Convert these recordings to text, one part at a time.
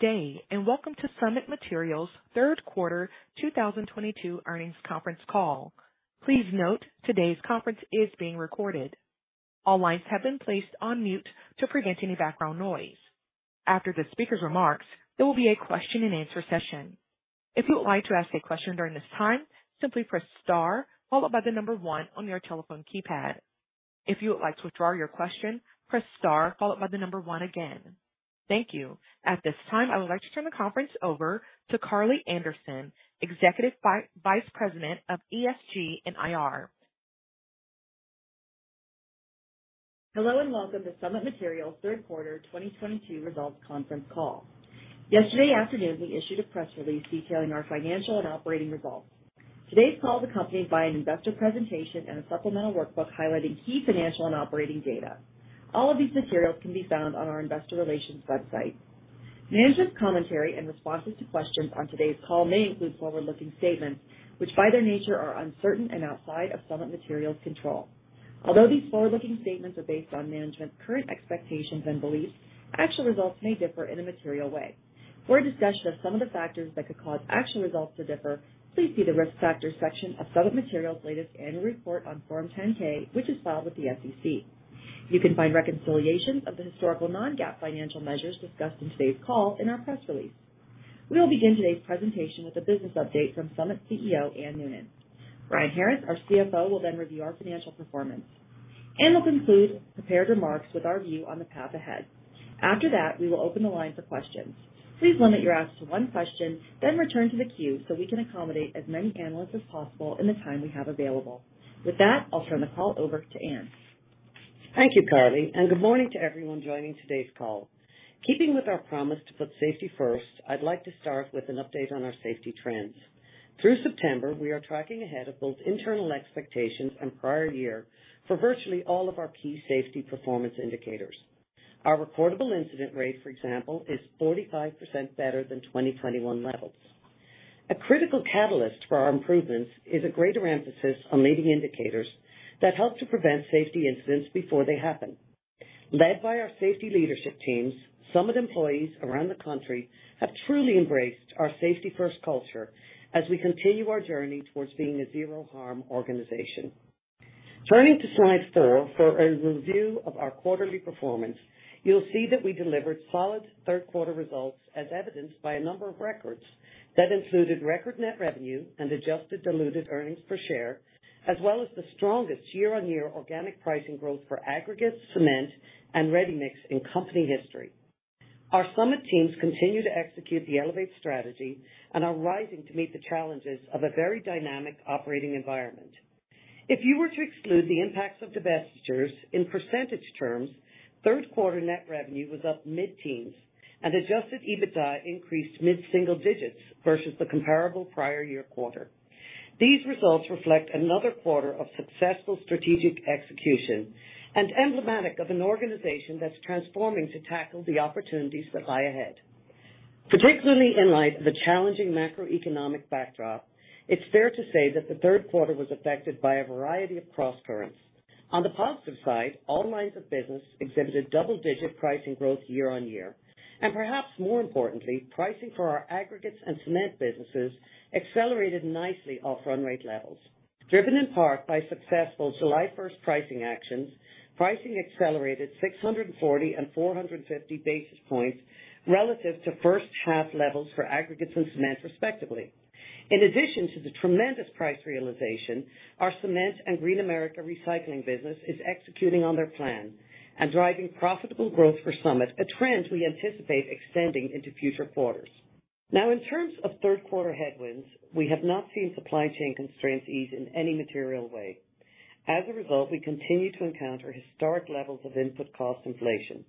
Day, and welcome to Summit Materials Q3 2022 Earnings Conference Call. Please note today's conference is being recorded. All lines have been placed on mute to prevent any background noise. After the speaker's remarks, there will be a question-and-answer session. If you would like to ask a question during this time, simply press star followed by the number one on your telephone keypad. If you would like to withdraw your question, press star followed by the number one again. Thank you. At this time, I would like to turn the conference over to Karli Anderson, Executive Vice President of ESG and IR. Hello and welcome to Summit Materials Q3 2022 Results Conference Call. Yesterday afternoon, we issued a press release detailing our financial and operating results. Today's call is accompanied by an investor presentation and a supplemental workbook highlighting key financial and operating data. All of these materials can be found on our investor relations website. Management's commentary and responses to questions on today's call may include forward-looking statements, which by their nature are uncertain and outside of Summit Materials control. Although these forward-looking statements are based on management's current expectations and beliefs, actual results may differ in a material way. For a discussion of some of the factors that could cause actual results to differ, please see the Risk Factors section of Summit Materials' latest annual report on Form 10-K, which is filed with the SEC. You can find reconciliations of the historical non-GAAP financial measures discussed in today's call in our press release. We will begin today's presentation with a business update from Summit's CEO, Anne Noonan. Brian Harris, our CFO, will then review our financial performance. Anne will conclude prepared remarks with our view on the path ahead. After that, we will open the line for questions. Please limit your asks to one question, then return to the queue so we can accommodate as many analysts as possible in the time we have available. With that, I'll turn the call over to Anne. Thank you, Karli, and good morning to everyone joining today's call. Keeping with our promise to put safety first, I'd like to start with an update on our safety trends. Through September, we are tracking ahead of both internal expectations and prior year for virtually all of our key safety performance indicators. Our reportable incident rate, for example, is 45% better than 2021 levels. A critical catalyst for our improvements is a greater emphasis on leading indicators that help to prevent safety incidents before they happen. Led by our safety leadership teams, Summit employees around the country have truly embraced our safety-first culture as we continue our journey towards being a zero-harm organization. Turning to Slide 4 for a review of our quarterly performance, you'll see that we delivered solid Q3 results as evidenced by a number of records that included record net revenue and adjusted diluted earnings per share, as well as the strongest year-on-year organic pricing growth for aggregates, cement, and ready-mix in company history. Our Summit teams continue to execute the Elevate strategy and are rising to meet the challenges of a very dynamic operating environment. If you were to exclude the impacts of divestitures in percentage terms, Q3 net revenue was up mid-teens and adjusted EBITDA increased mid-single digits versus the comparable prior year quarter. These results reflect another quarter of successful strategic execution and emblematic of an organization that's transforming to tackle the opportunities that lie ahead. Particularly in light of the challenging macroeconomic backdrop, it's fair to say that the Q3 was affected by a variety of crosscurrents. On the positive side, all lines of business exhibited double-digit pricing growth year-on-year, and perhaps more importantly, pricing for our aggregates and cement businesses accelerated nicely off run rate levels. Driven in part by successful July first pricing actions, pricing accelerated 640 and 450 basis points relative to first half levels for aggregates and cement, respectively. In addition to the tremendous price realization, our Cement and Green America Recycling business is executing on their plan and driving profitable growth for Summit, a trend we anticipate extending into future quarters. Now in terms of Q3 headwinds, we have not seen supply chain constraints ease in any material way. As a result, we continue to encounter historic levels of input cost inflation.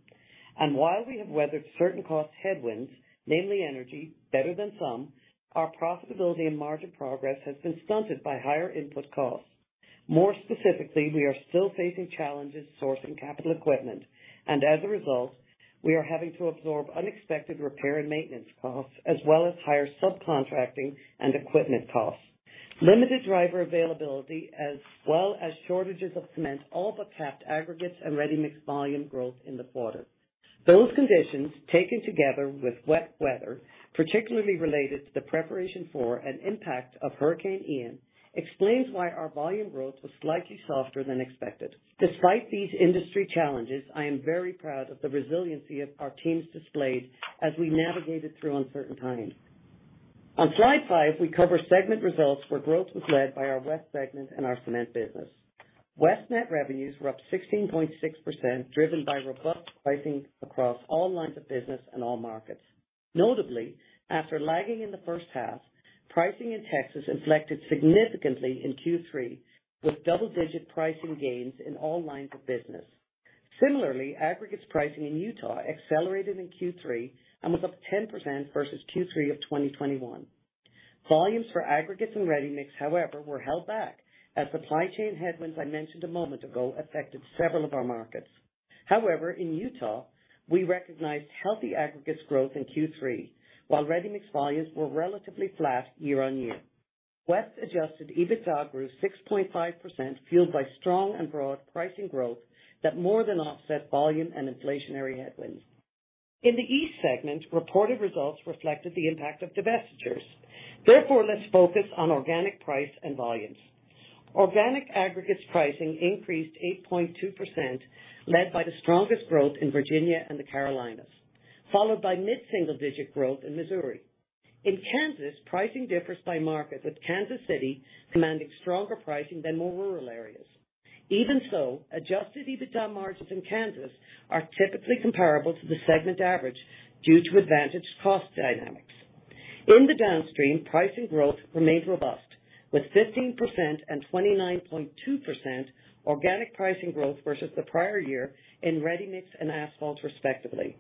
While we have weathered certain cost headwinds, namely energy, better than some, our profitability and margin progress has been stunted by higher input costs. More specifically, we are still facing challenges sourcing capital equipment, and as a result, we are having to absorb unexpected repair and maintenance costs, as well as higher subcontracting and equipment costs. Limited driver availability as well as shortages of cement all but capped aggregates and ready-mix volume growth in the quarter. Those conditions, taken together with wet weather, particularly related to the preparation for and impact of Hurricane Ian, explains why our volume growth was slightly softer than expected. Despite these industry challenges, I am very proud of the resiliency of our teams displayed as we navigated through uncertain times. On Slide five, we cover segment results where growth was led by our West segment and our cement business. West net revenues were up 16.6%, driven by robust pricing across all lines of business and all markets. Notably, after lagging in the first half, pricing in Texas inflected significantly in Q3 with double-digit pricing gains in all lines of business. Similarly, aggregates pricing in Utah accelerated in Q3 and was up 10% versus Q3 of 2021. Volumes for aggregates and ready-mix, however, were held back as supply chain headwinds I mentioned a moment ago affected several of our markets. However, in Utah, we recognized healthy aggregates growth in Q3, while ready-mix volumes were relatively flat year-on-year. West adjusted EBITDA grew 6.5%, fueled by strong and broad pricing growth that more than offset volume and inflationary headwinds. In the East segment, reported results reflected the impact of divestitures. Therefore, let's focus on organic price and volumes. Organic aggregates pricing increased 8.2%, led by the strongest growth in Virginia and the Carolinas, followed by mid-single-digit growth in Missouri. In Kansas, pricing differs by market, with Kansas City commanding stronger pricing than more rural areas. Even so, adjusted EBITDA margins in Kansas are typically comparable to the segment average due to advantaged cost dynamics. In the downstream, pricing growth remained robust, with 15% and 29.2% organic pricing growth versus the prior year in ready-mix and asphalt, respectively.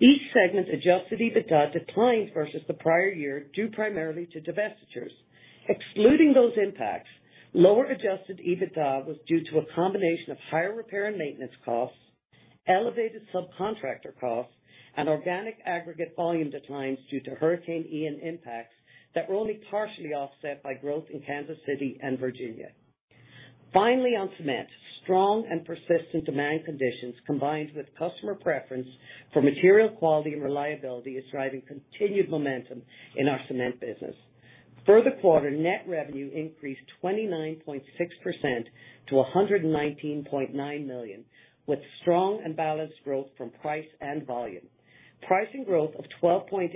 Each segment's adjusted EBITDA declined versus the prior year, due primarily to divestitures. Excluding those impacts, lower adjusted EBITDA was due to a combination of higher repair and maintenance costs, elevated subcontractor costs, and organic aggregate volume declines due to Hurricane Ian impacts that were only partially offset by growth in Kansas City and Virginia. Finally, on cement, strong and persistent demand conditions, combined with customer preference for material quality and reliability, is driving continued momentum in our cement business. For the quarter, net revenue increased 29.6% to $119.9 million, with strong and balanced growth from price and volume. Pricing growth of 12.8%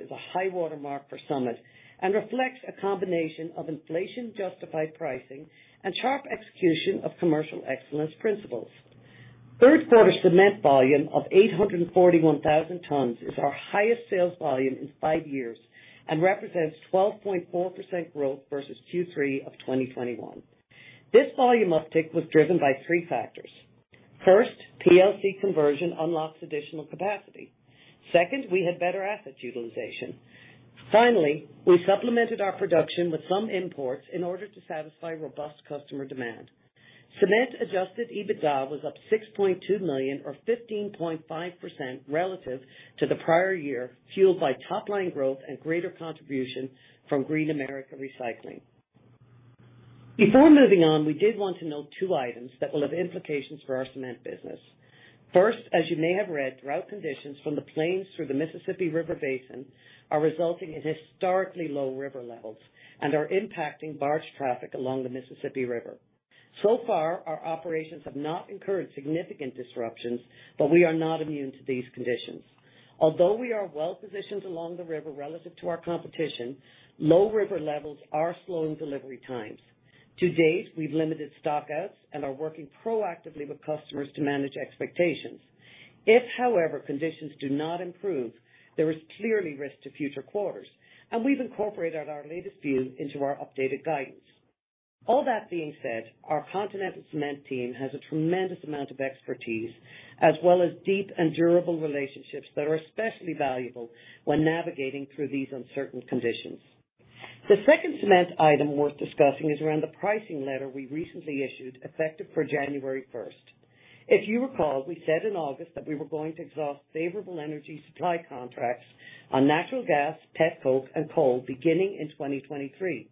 is a high-water mark for Summit and reflects a combination of inflation-justified pricing and sharp execution of commercial excellence principles. Q3 cement volume of 841,000 tons is our highest sales volume in five years and represents 12.4% growth versus Q3 of 2021. This volume uptick was driven by three factors. First, PLC conversion unlocks additional capacity. Second, we had better asset utilization. Finally, we supplemented our production with some imports in order to satisfy robust customer demand. Cement adjusted EBITDA was up $6.2 million or 15.5% relative to the prior year, fueled by top-line growth and greater contribution from Green America Recycling. Before moving on, we did want to note two items that will have implications for our cement business. First, as you may have read, drought conditions from the plains through the Mississippi River Basin are resulting in historically low river levels and are impacting barge traffic along the Mississippi River. So far, our operations have not incurred significant disruptions, but we are not immune to these conditions. Although we are well-positioned along the river relative to our competition, low river levels are slowing delivery times. To date, we've limited stockouts and are working proactively with customers to manage expectations. If, however, conditions do not improve, there is clearly risk to future quarters, and we've incorporated our latest view into our updated guidance. All that being said, our Continental Cement team has a tremendous amount of expertise as well as deep and durable relationships that are especially valuable when navigating through these uncertain conditions. The second cement item worth discussing is around the pricing letter we recently issued, effective for January 1st. If you recall, we said in August that we were going to exhaust favorable energy supply contracts on natural gas, Petcoke, and coal beginning in 2023.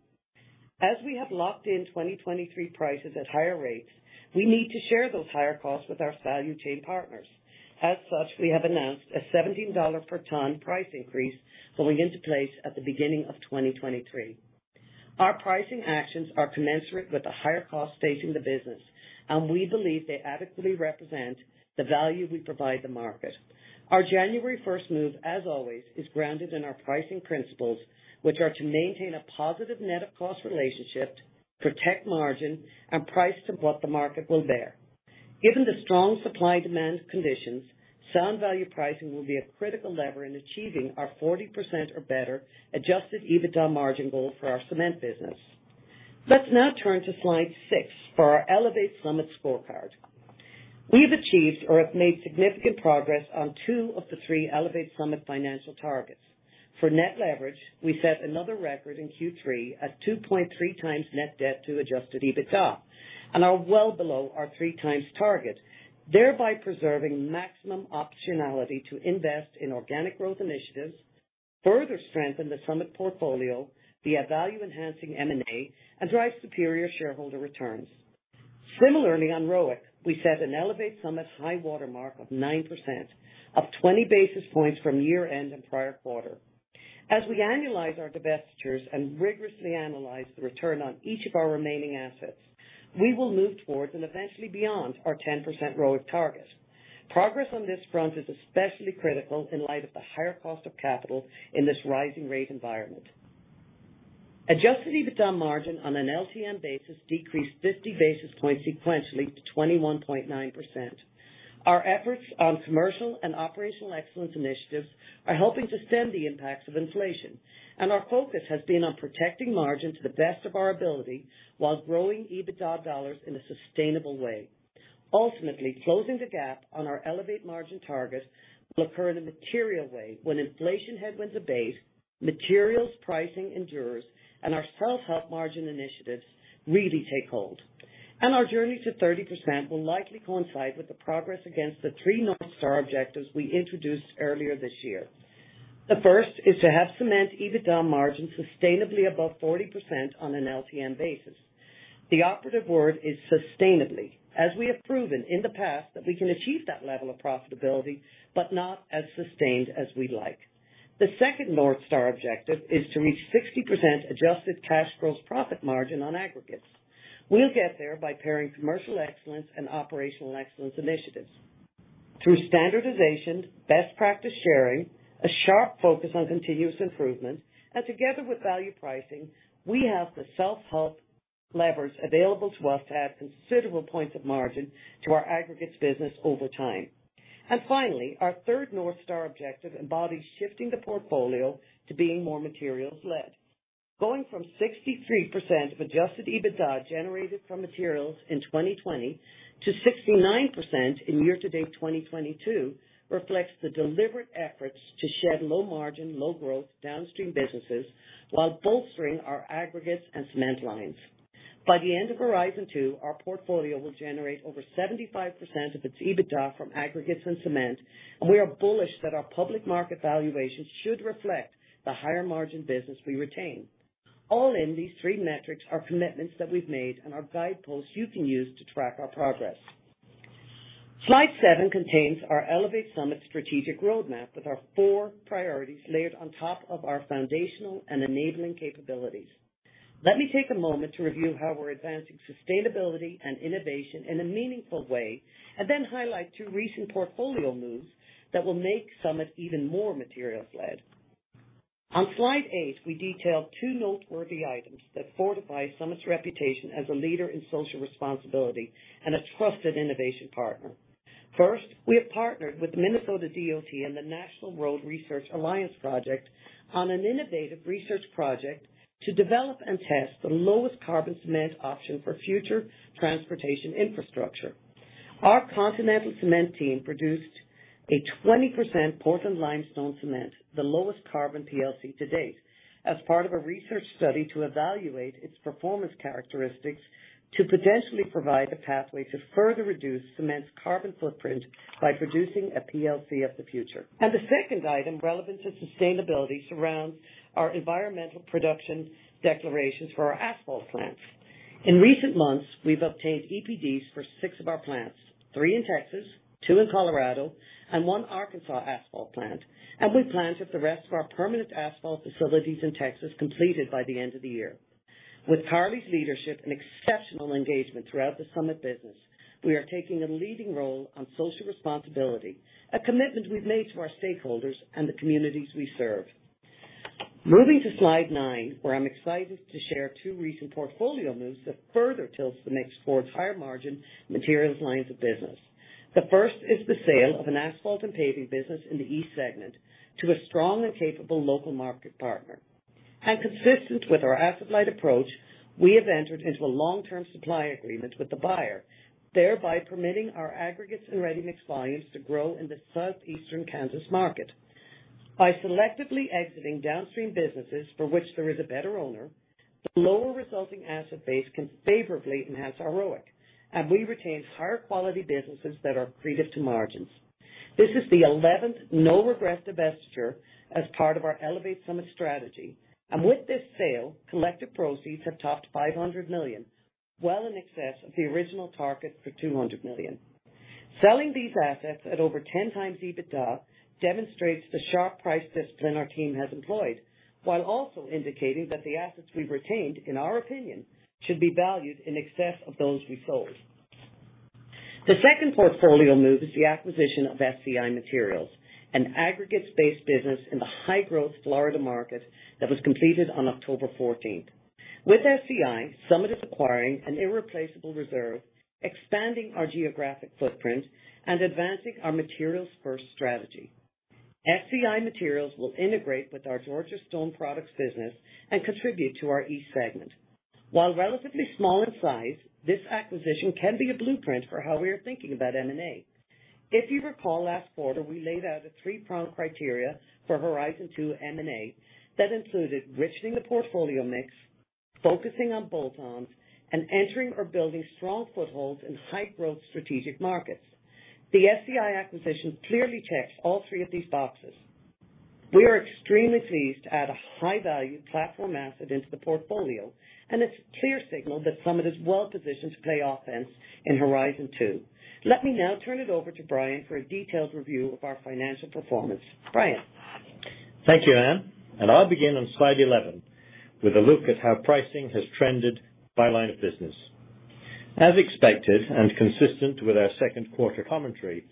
As we have locked in 2023 prices at higher rates, we need to share those higher costs with our value chain partners. As such, we have announced a $17 per ton price increase going into place at the beginning of 2023. Our pricing actions are commensurate with the higher costs facing the business, and we believe they adequately represent the value we provide the market. Our January 1st move, as always, is grounded in our pricing principles, which are to maintain a positive net of cost relationship, protect margin, and price to what the market will bear. Given the strong supply-demand conditions, sound value pricing will be a critical lever in achieving our 40% or better adjusted EBITDA margin goal for our cement business. Let's now turn to Slide 6 for our Elevate Summit scorecard. We've achieved or have made significant progress on two of the three Elevate Summit financial targets. For net leverage, we set another record in Q3 at 2.3 times net debt to adjusted EBITDA and are well below our three times target, thereby preserving maximum optionality to invest in organic growth initiatives, further strengthen the Summit portfolio via value-enhancing M&A, and drive superior shareholder returns. Similarly, on ROIC, we set an Elevate Summit high-water mark of 9%, up 20 basis points from year-end and prior quarter. As we annualize our divestitures and rigorously analyze the return on each of our remaining assets, we will move towards and eventually beyond our 10% ROIC target. Progress on this front is especially critical in light of the higher cost of capital in this rising rate environment. Adjusted EBITDA margin on an LTM basis decreased 50 basis points sequentially to 21.9%. Our efforts on commercial and operational excellence initiatives are helping to stem the impacts of inflation, and our focus has been on protecting margin to the best of our ability while growing EBITDA dollars in a sustainable way. Ultimately, closing the gap on our Elevate margin target will occur in a material way when inflation headwinds abate, materials pricing endures, and our self-help margin initiatives really take hold. Our journey to 30% will likely coincide with the progress against the three North Star objectives we introduced earlier this year. The first is to have cement EBITDA margin sustainably above 40% on an LTM basis. The operative word is sustainably, as we have proven in the past that we can achieve that level of profitability, but not as sustained as we'd like. The second North Star objective is to reach 60% adjusted cash gross profit margin on aggregates. We'll get there by pairing commercial excellence and operational excellence initiatives. Through standardization, best practice sharing, a sharp focus on continuous improvement, and together with value pricing, we have the self-help levers available to us to add considerable points of margin to our aggregates business over time. Finally, our third North Star objective embodies shifting the portfolio to being more materials led. Going from 63% of adjusted EBITDA generated from materials in 2020 to 69% in year-to-date 2022 reflects the deliberate efforts to shed low margin, low growth downstream businesses while bolstering our aggregates and cement lines. By the end of Horizon two, our portfolio will generate over 75% of it's EBITDA from aggregates and cement, and we are bullish that our public market valuation should reflect the higher margin business we retain. All in these three metrics are commitments that we've made and are guideposts you can use to track our progress. Slide 7 contains our Elevate Summit strategic roadmap with our four priorities layered on top of our foundational and enabling capabilities. Let me take a moment to review how we're advancing sustainability and innovation in a meaningful way, and then highlight two recent portfolio moves that will make Summit even more materials led. On Slide 8, we detailed two noteworthy items that fortify Summit's reputation as a leader in social responsibility and a trusted innovation partner. First, we have partnered with Minnesota DOT and the National Road Research Alliance Project on an innovative research project to develop and test the lowest carbon cement option for future transportation infrastructure. Our Continental Cement team produced a 20% Portland limestone cement, the lowest carbon PLC to date, as part of a research study to evaluate it's performance characteristics to potentially provide a pathway to further reduce cement's carbon footprint by producing a PLC of the future. The second item relevant to sustainability surrounds our Environmental Product Declarations for our asphalt plants. In recent months, we've obtained EPDs for six of our plants, three in Texas, two in Colorado, and one Arkansas asphalt plant, and we plan to have the rest of our permanent asphalt facilities in Texas completed by the end of the year. With Karli's leadership and exceptional engagement throughout the Summit business, we are taking a leading role on social responsibility, a commitment we've made to our stakeholders and the communities we serve. Moving to Slide 9, where I'm excited to share two recent portfolio moves that further tilts the mix towards higher margin materials lines of business. The first is the sale of an asphalt and paving business in the East segment to a strong and capable local market partner. Consistent with our asset-light approach, we have entered into a long-term supply agreement with the buyer, thereby permitting our aggregates and ready-mix volumes to grow in the southeastern Kansas market. By selectively exiting downstream businesses for which there is a better owner, the lower resulting asset base can favorably enhance our ROIC, and we retain higher quality businesses that are accretive to margins. This is the eleventh no-regret divestiture as part of our Elevate Summit Strategy, and with this sale, collective proceeds have topped $500 million, well in excess of the original target for $200 million. Selling these assets at over 10x EBITDA demonstrates the sharp price discipline our team has employed, while also indicating that the assets we've retained, in our opinion, should be valued in excess of those we sold. The second portfolio move is the acquisition of SCI Materials, an aggregates-based business in the high-growth Florida market that was completed on October fourteenth. With SCI, Summit is acquiring an irreplaceable reserve, expanding our geographic footprint and advancing our materials-first strategy. SCI Materials will integrate with our Georgia Stone Products business and contribute to our East segment. While relatively small in size, this acquisition can be a blueprint for how we are thinking about M&A. If you recall, last quarter, we laid out a three-pronged criteria for Horizon 2 M&A that included enriching the portfolio mix, focusing on bolt-ons, and entering or building strong footholds in high-growth strategic markets. The SCI acquisition clearly checks all three of these boxes. We are extremely pleased to add a high-value platform asset into the portfolio, and it's a clear signal that Summit is well positioned to play offense in Horizon 2. Let me now turn it over to Brian for a detailed review of our financial performance. Brian. Thank you, Anne. I'll begin on Slide 11 with a look at how pricing has trended by line of business. As expected and consistent with our Q2 commentary,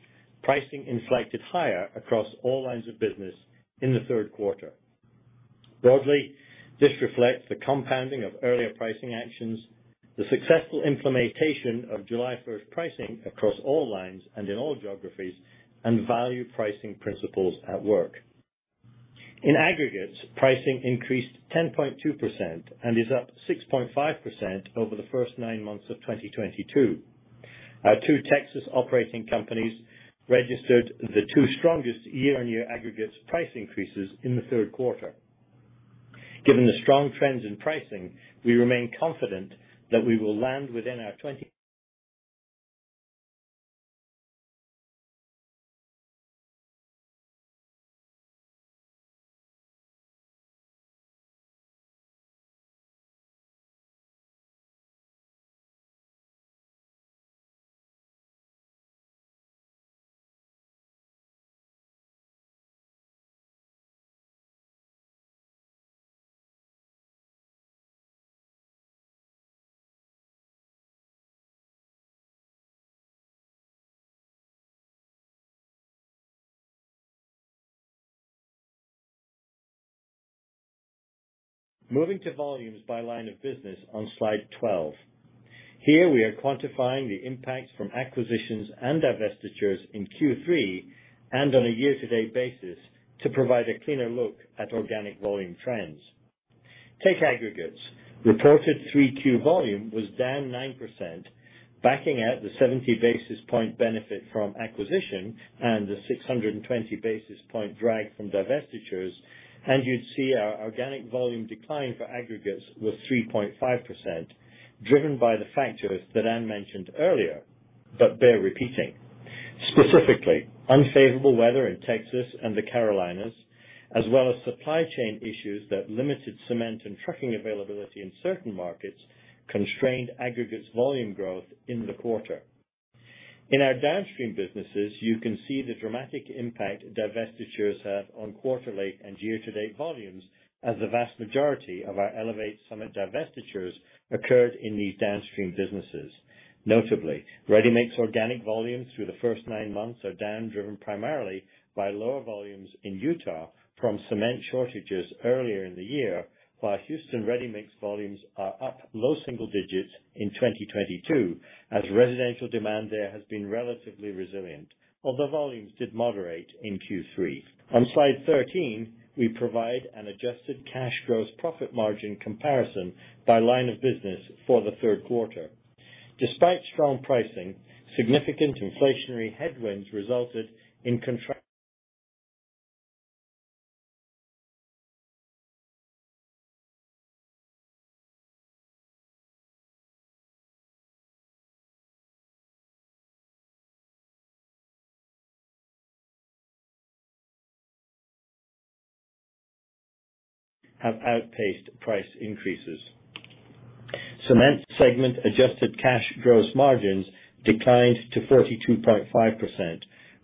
pricing inflated higher across all lines of business in the Q3. Broadly, this reflects the compounding of earlier pricing actions, the successful implementation of July 1st pricing across all lines and in all geographies, and value pricing principles at work. In aggregates, pricing increased 10.2% and is up 6.5% over the first nine months of 2022. Our two Texas operating companies registered the two strongest year-on-year aggregates price increases in the Q3, given the strong trends in pricing, we remain confident that we will land within our '20. Moving to volumes by line of business on Slide 12. Here we are quantifying the impact from acquisitions and divestitures in Q3 and on a year-to-date basis to provide a cleaner look at organic volume trends. Take aggregates. Reported Q3 volume was down 9%, backing out the 70 basis point benefit from acquisition and the 620 basis point drag from divestitures, and you'd see our organic volume decline for aggregates was 3.5%, driven by the factors that Anne mentioned earlier, but bear repeating. Specifically, unfavorable weather in Texas and the Carolinas, as well as supply chain issues that limited cement and trucking availability in certain markets constrained aggregates volume growth in the quarter. In our downstream businesses, you can see the dramatic impact divestitures have on quarterly and year-to-date volumes as the vast majority of our Elevate Summit divestitures occurred in these downstream businesses. Notably, ready-mix organic volumes through the first nine months are down, driven primarily by lower volumes in Utah from cement shortages earlier in the year, while Houston ready-mix volumes are up low single digits in 2022 as residential demand there has been relatively resilient, although volumes did moderate in Q3. On Slide 13, we provide an adjusted cash gross profit margin comparison by line of business for the Q3. Despite strong pricing, significant inflationary headwinds resulted in costs have outpaced price increases. Cement segment adjusted cash gross margins declined to 42.5%,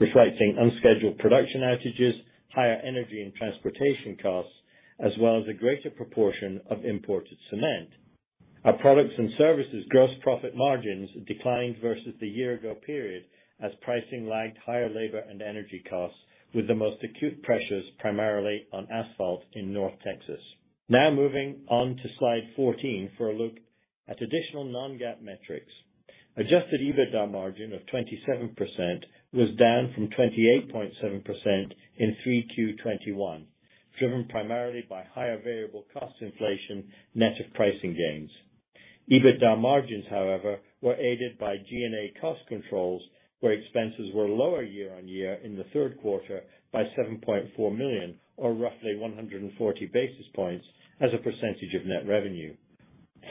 reflecting unscheduled production outages, higher energy and transportation costs, as well as a greater proportion of imported cement. Our products and services gross profit margins declined versus the year ago period as pricing lagged higher labor and energy costs, with the most acute pressures primarily on asphalt in North Texas. Now moving on to Slide 14 for a look at additional non-GAAP metrics. Adjusted EBITDA margin of 27% was down from 28.7% in 3Q '21, driven primarily by higher variable cost inflation net of pricing gains. EBITDA margins, however, were aided by G&A cost controls, where expenses were lower year on year in the Q3 by $7.4 million, or roughly 140 basis points as a percentage of net revenue.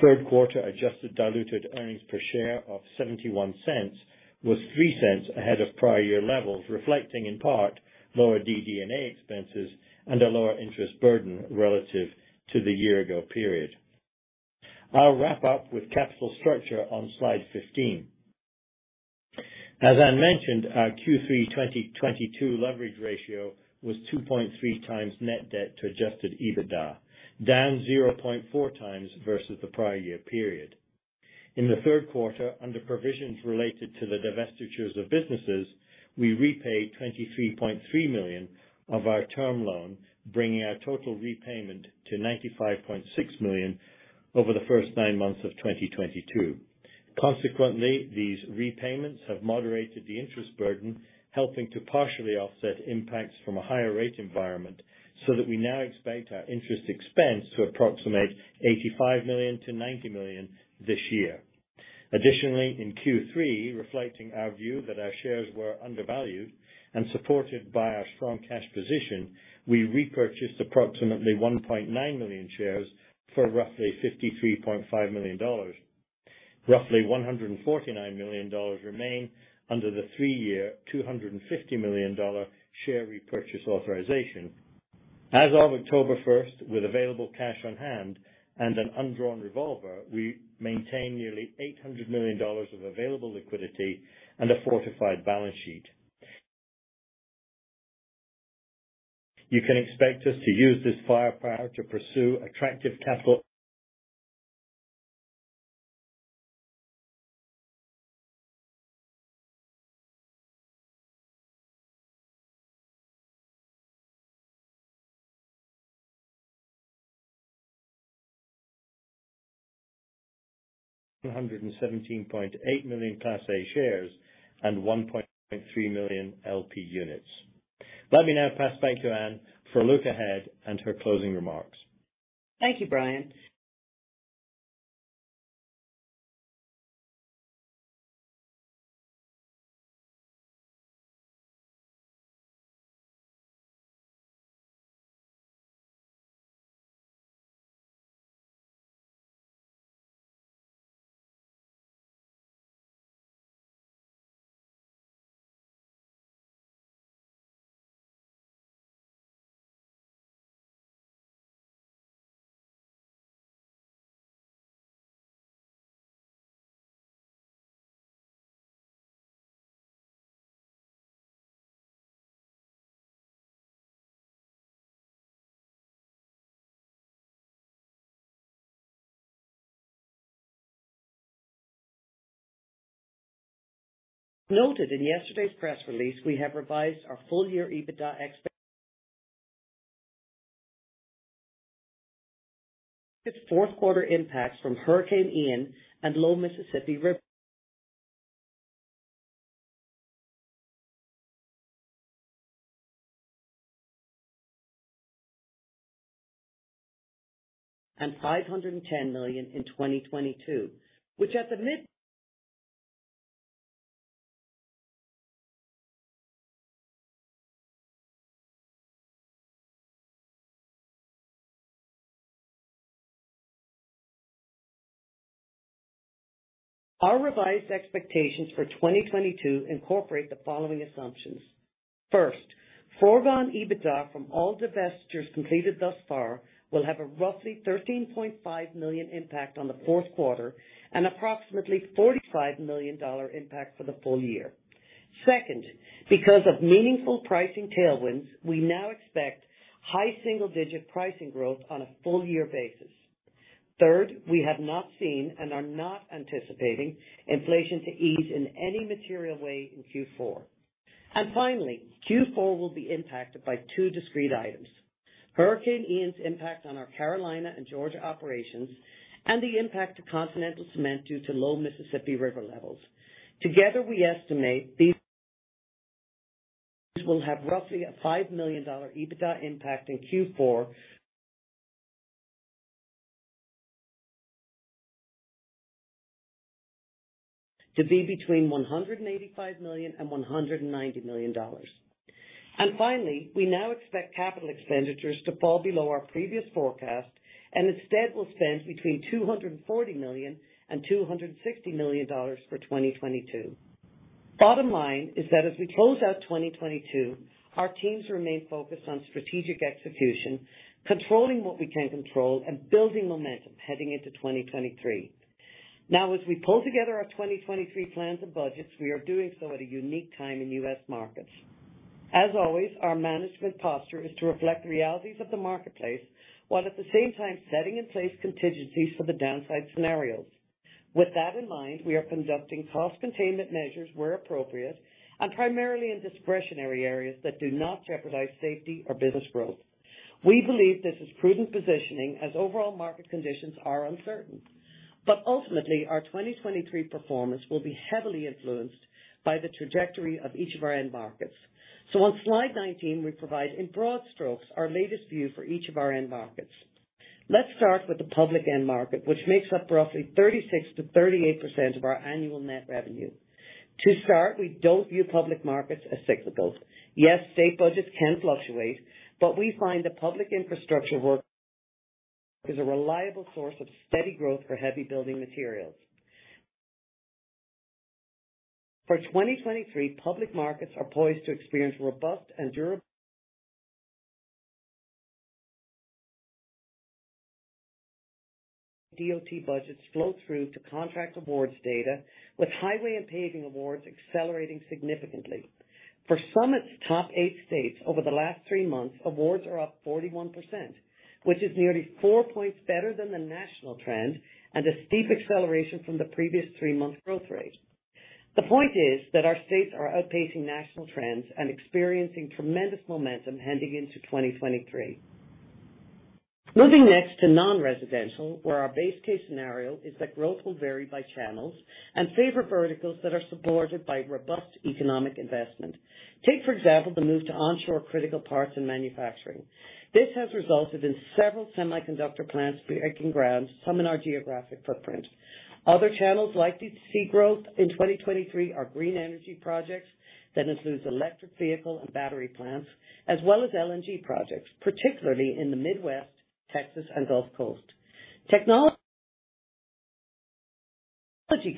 Q3 adjusted diluted earnings per share of $0.71 was $0.03 ahead of prior year levels, reflecting in part lower DD&A expenses and a lower interest burden relative to the year ago period. I'll wrap up with capital structure on Slide 15. As Anne mentioned, our Q3 2022 leverage ratio was 2.3 times net debt to adjusted EBITDA, down 0.4 times versus the prior year period. In the Q, under provisions related to the divestitures of businesses, we repaid $23.3 million of our term loan, bringing our total repayment to $95.6 million over the first nine months of 2022. Consequently, these repayments have moderated the interest burden, helping to partially offset impacts from a higher rate environment so that we now expect our interest expense to approximate $85 million-$90 million this year. Additionally, in Q3, reflecting our view that our shares were undervalued and supported by our strong cash position, we repurchased approximately 1.9 million shares for roughly $53.5 million. Roughly $149 million remain under the three-year, $250 million share repurchase authorization. As of October 1, with available cash on hand and an undrawn revolver, we maintain nearly $800 million of available liquidity and a fortified balance sheet. You can expect us to use this firepower to pursue attractive capital. 217.8 million class A shares and 1.3 million LP units. Let me now pass back to Anne for a look ahead and her closing remarks. Thank you, Brian. Noted in yesterday's press release, we have revised our full year EBITDA expectations to $510 million in 2022. Our revised expectations for 2022 incorporate the following assumptions. First, foregone EBITDA from all divestitures completed thus far will have a roughly $13.5 million impact on the Q4 and approximately $45 million impact for the full year. Second, because of meaningful pricing tailwinds, we now expect high single-digit pricing growth on a full year basis. Third, we have not seen and are not anticipating inflation to ease in any material way in Q4. Finally, Q4 will be impacted by two discrete items, Hurricane Ian's impact on our Carolina and Georgia operations and the impact to Continental Cement due to low Mississippi River levels. Together, we estimate these will have roughly a $5 million EBITDA impact in Q4. To be between $185 million and $190 million. Finally, we now expect capital expenditures to fall below our previous forecast and instead will stand between $240 million and $260 million for 2022. Bottom line is that as we close out 2022, our teams remain focused on strategic execution, controlling what we can control, and building momentum heading into 2023. Now, as we pull together our 2023 plans and budgets, we are doing so at a unique time in U.S. markets. As always, our management posture is to reflect the realities of the marketplace, while at the same time setting in place contingencies for the downside scenarios. With that in mind, we are conducting cost containment measures where appropriate and primarily in discretionary areas that do not jeopardize safety or business growth. We believe this is prudent positioning as overall market conditions are uncertain. Ultimately, our 2023 performance will be heavily influenced by the trajectory of each of our end markets. On Slide 19, we provide, in broad strokes, our latest view for each of our end markets. Let's start with the public end market, which makes up roughly 36%-38% of our annual net revenue. To start, we don't view public markets as cyclical. Yes, state budgets can fluctuate, but we find the public infrastructure work is a reliable source of steady growth for heavy building materials. For 2023, public markets are poised to experience robust and durable DOT budgets flow through to contract awards data, with highway and paving awards accelerating significantly. For Summit's top eight states over the last three months, awards are up 41%, which is nearly 4 points better than the national trend and a steep acceleration from the previous three-month growth rate. The point is that our states are outpacing national trends and experiencing tremendous momentum heading into 2023. Moving next to non-residential, where our base case scenario is that growth will vary by channels and favor verticals that are supported by robust economic investment. Take, for example, the move to onshore critical parts and manufacturing. This has resulted in several semiconductor plants breaking ground, some in our geographic footprint. Other channels likely to see growth in 2023 are green energy projects. That includes electric vehicle and battery plants, as well as LNG projects, particularly in the Midwest, Texas, and Gulf Coast. Technology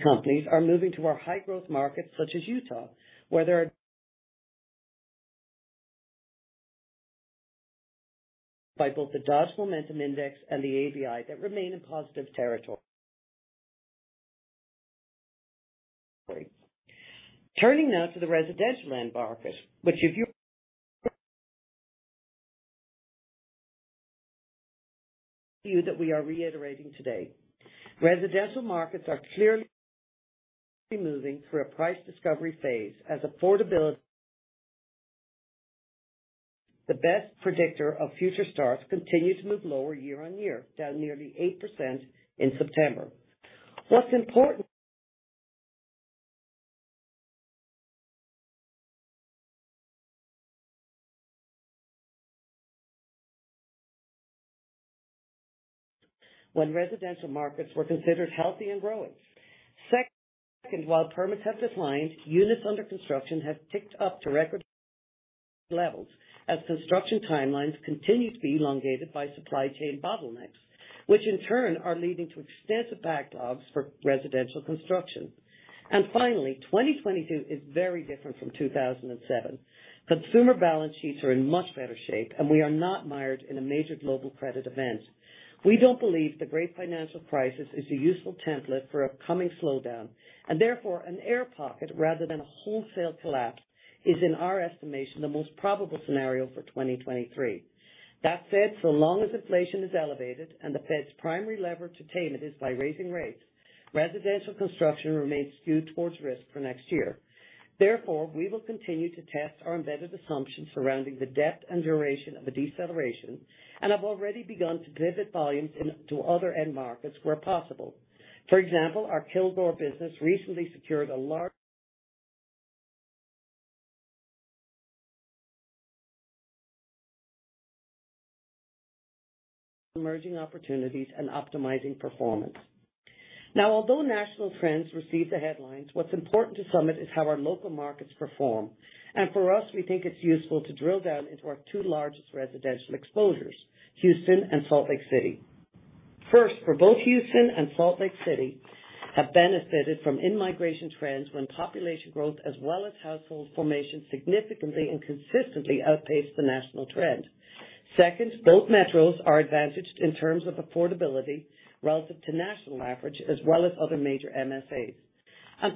companies are moving to our high-growth markets, such as Utah, where there are, by both the Dodge Momentum Index and the ABI, that remain in positive territory. Turning now to the residential end market, which we are reiterating today. Residential markets are clearly moving through a price discovery phase as affordability, the best predictor of future starts, continue to move lower year-on-year, down nearly 8% in September. What's important. When residential markets were considered healthy and growing. Second, while permits have declined, units under construction have ticked up to record levels as construction timelines continue to be elongated by supply chain bottlenecks, which in turn are leading to extensive backlogs for residential construction. Finally, 2022 is very different from 2007. Consumer balance sheets are in much better shape, and we are not mired in a major global credit event. We don't believe the great financial crisis is a useful template for a coming slowdown, and therefore an air pocket rather than a wholesale collapse is, in our estimation, the most probable scenario for 2023. That said, so long as inflation is elevated and the Fed's primary lever to tame it is by raising rates, residential construction remains skewed towards risk for next year. Therefore, we will continue to test our embedded assumptions surrounding the depth and duration of the deceleration and have already begun to pivot volumes in, to other end markets where possible. For example, our Kilgore business recently secured a large emerging opportunities and optimizing performance. Now, although national trends receive the headlines, what's important to Summit is how our local markets perform. For us, we think it's useful to drill down into our two largest residential exposures, Houston and Salt Lake City. First, both Houston and Salt Lake City have benefited from in-migration trends when population growth as well as household formation significantly and consistently outpaced the national trend. Second, both metros are advantaged in terms of affordability relative to national average as well as other major MSAs.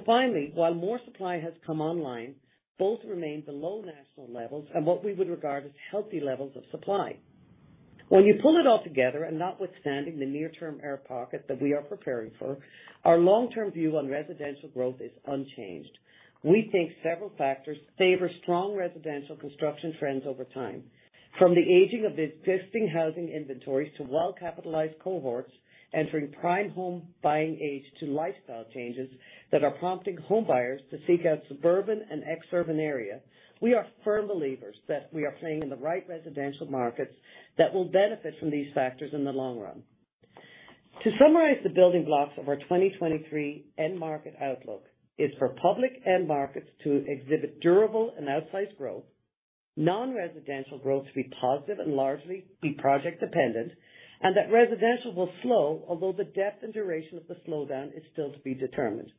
Finally, while more supply has come online, both remain below national levels and what we would regard as healthy levels of supply. When you pull it all together, and notwithstanding the near term air pocket that we are preparing for, our long-term view on residential growth is unchanged. We think several factors favor strong residential construction trends over time, from the aging of existing housing inventories to well-capitalized cohorts entering prime home buying age to lifestyle changes that are prompting homebuyers to seek out suburban and exurban area. We are firm believers that we are playing in the right residential markets that will benefit from these factors in the long run. To summarize the building blocks of our 2023 end market outlook is for public end markets to exhibit durable and outsized growth, non-residential growth to be positive and largely be project dependent, and that residential will slow, although the depth and duration of the slowdown is still to be determined.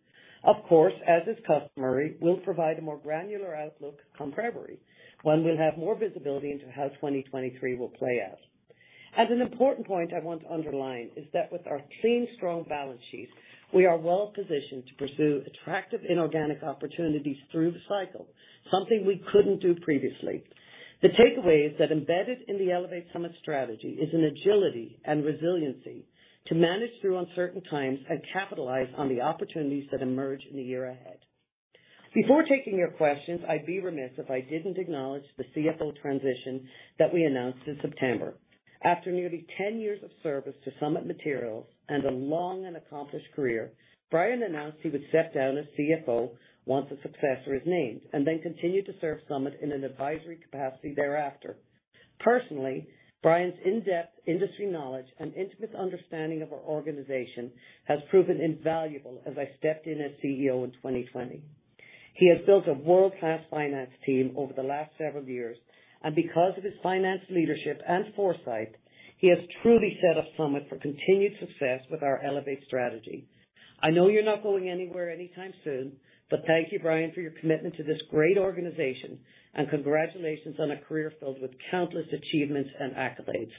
Of course, as is customary, we'll provide a more granular outlook come February, when we'll have more visibility into how 2023 will play out. As an important point I want to underline is that with our clean, strong balance sheet, we are well positioned to pursue attractive inorganic opportunities through the cycle, something we couldn't do previously. The takeaway is that embedded in the Elevate Summit Strategy is an agility and resiliency to manage through uncertain times and capitalize on the opportunities that emerge in the year ahead. Before taking your questions, I'd be remiss if I didn't acknowledge the CFO transition that we announced in September. After nearly 10 years of service to Summit Materials and a long and accomplished career, Brian announced he would step down as CFO once a successor is named, and then continue to serve Summit in an advisory capacity thereafter. Personally, Brian's in-depth industry knowledge and intimate understanding of our organization has proven invaluable as I stepped in as CEO in 2020. He has built a world-class finance team over the last several years, and because of his finance leadership and foresight, he has truly set up Summit for continued success with our Elevate Strategy. I know you're not going anywhere anytime soon, but thank you, Brian, for your commitment to this great organization and congratulations on a career filled with countless achievements and accolades.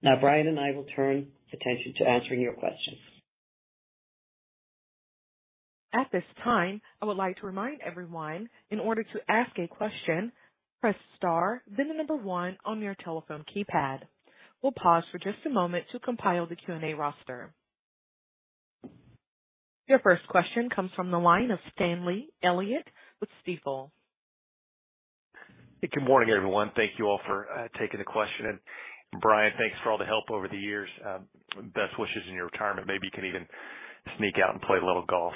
Now Brian and I will turn attention to answering your questions. At this time, I would like to remind everyone, in order to ask a question, press star then one on your telephone keypad. We'll pause for just a moment to compile the Q&A roster. Your first question comes from the line of Stanley Elliott with Stifel. Good morning, everyone. Thank you all for taking the question. Brian, thanks for all the help over the years. Best wishes in your retirement. Maybe you can even sneak out and play a little golf.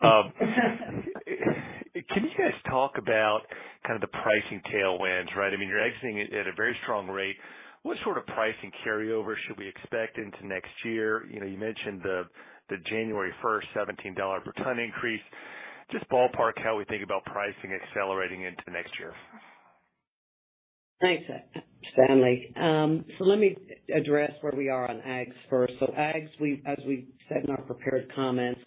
Can you guys talk about kind of the pricing tailwinds, right? I mean, you're exiting at a very strong rate. What sort of pricing carryover should we expect into next year? You know, you mentioned the January 1st, $17 per ton increase. Just ballpark how we think about pricing accelerating into next year. Thanks, Stanley. Let me address where we are on aggs first. Aggs, as we said in our prepared comments,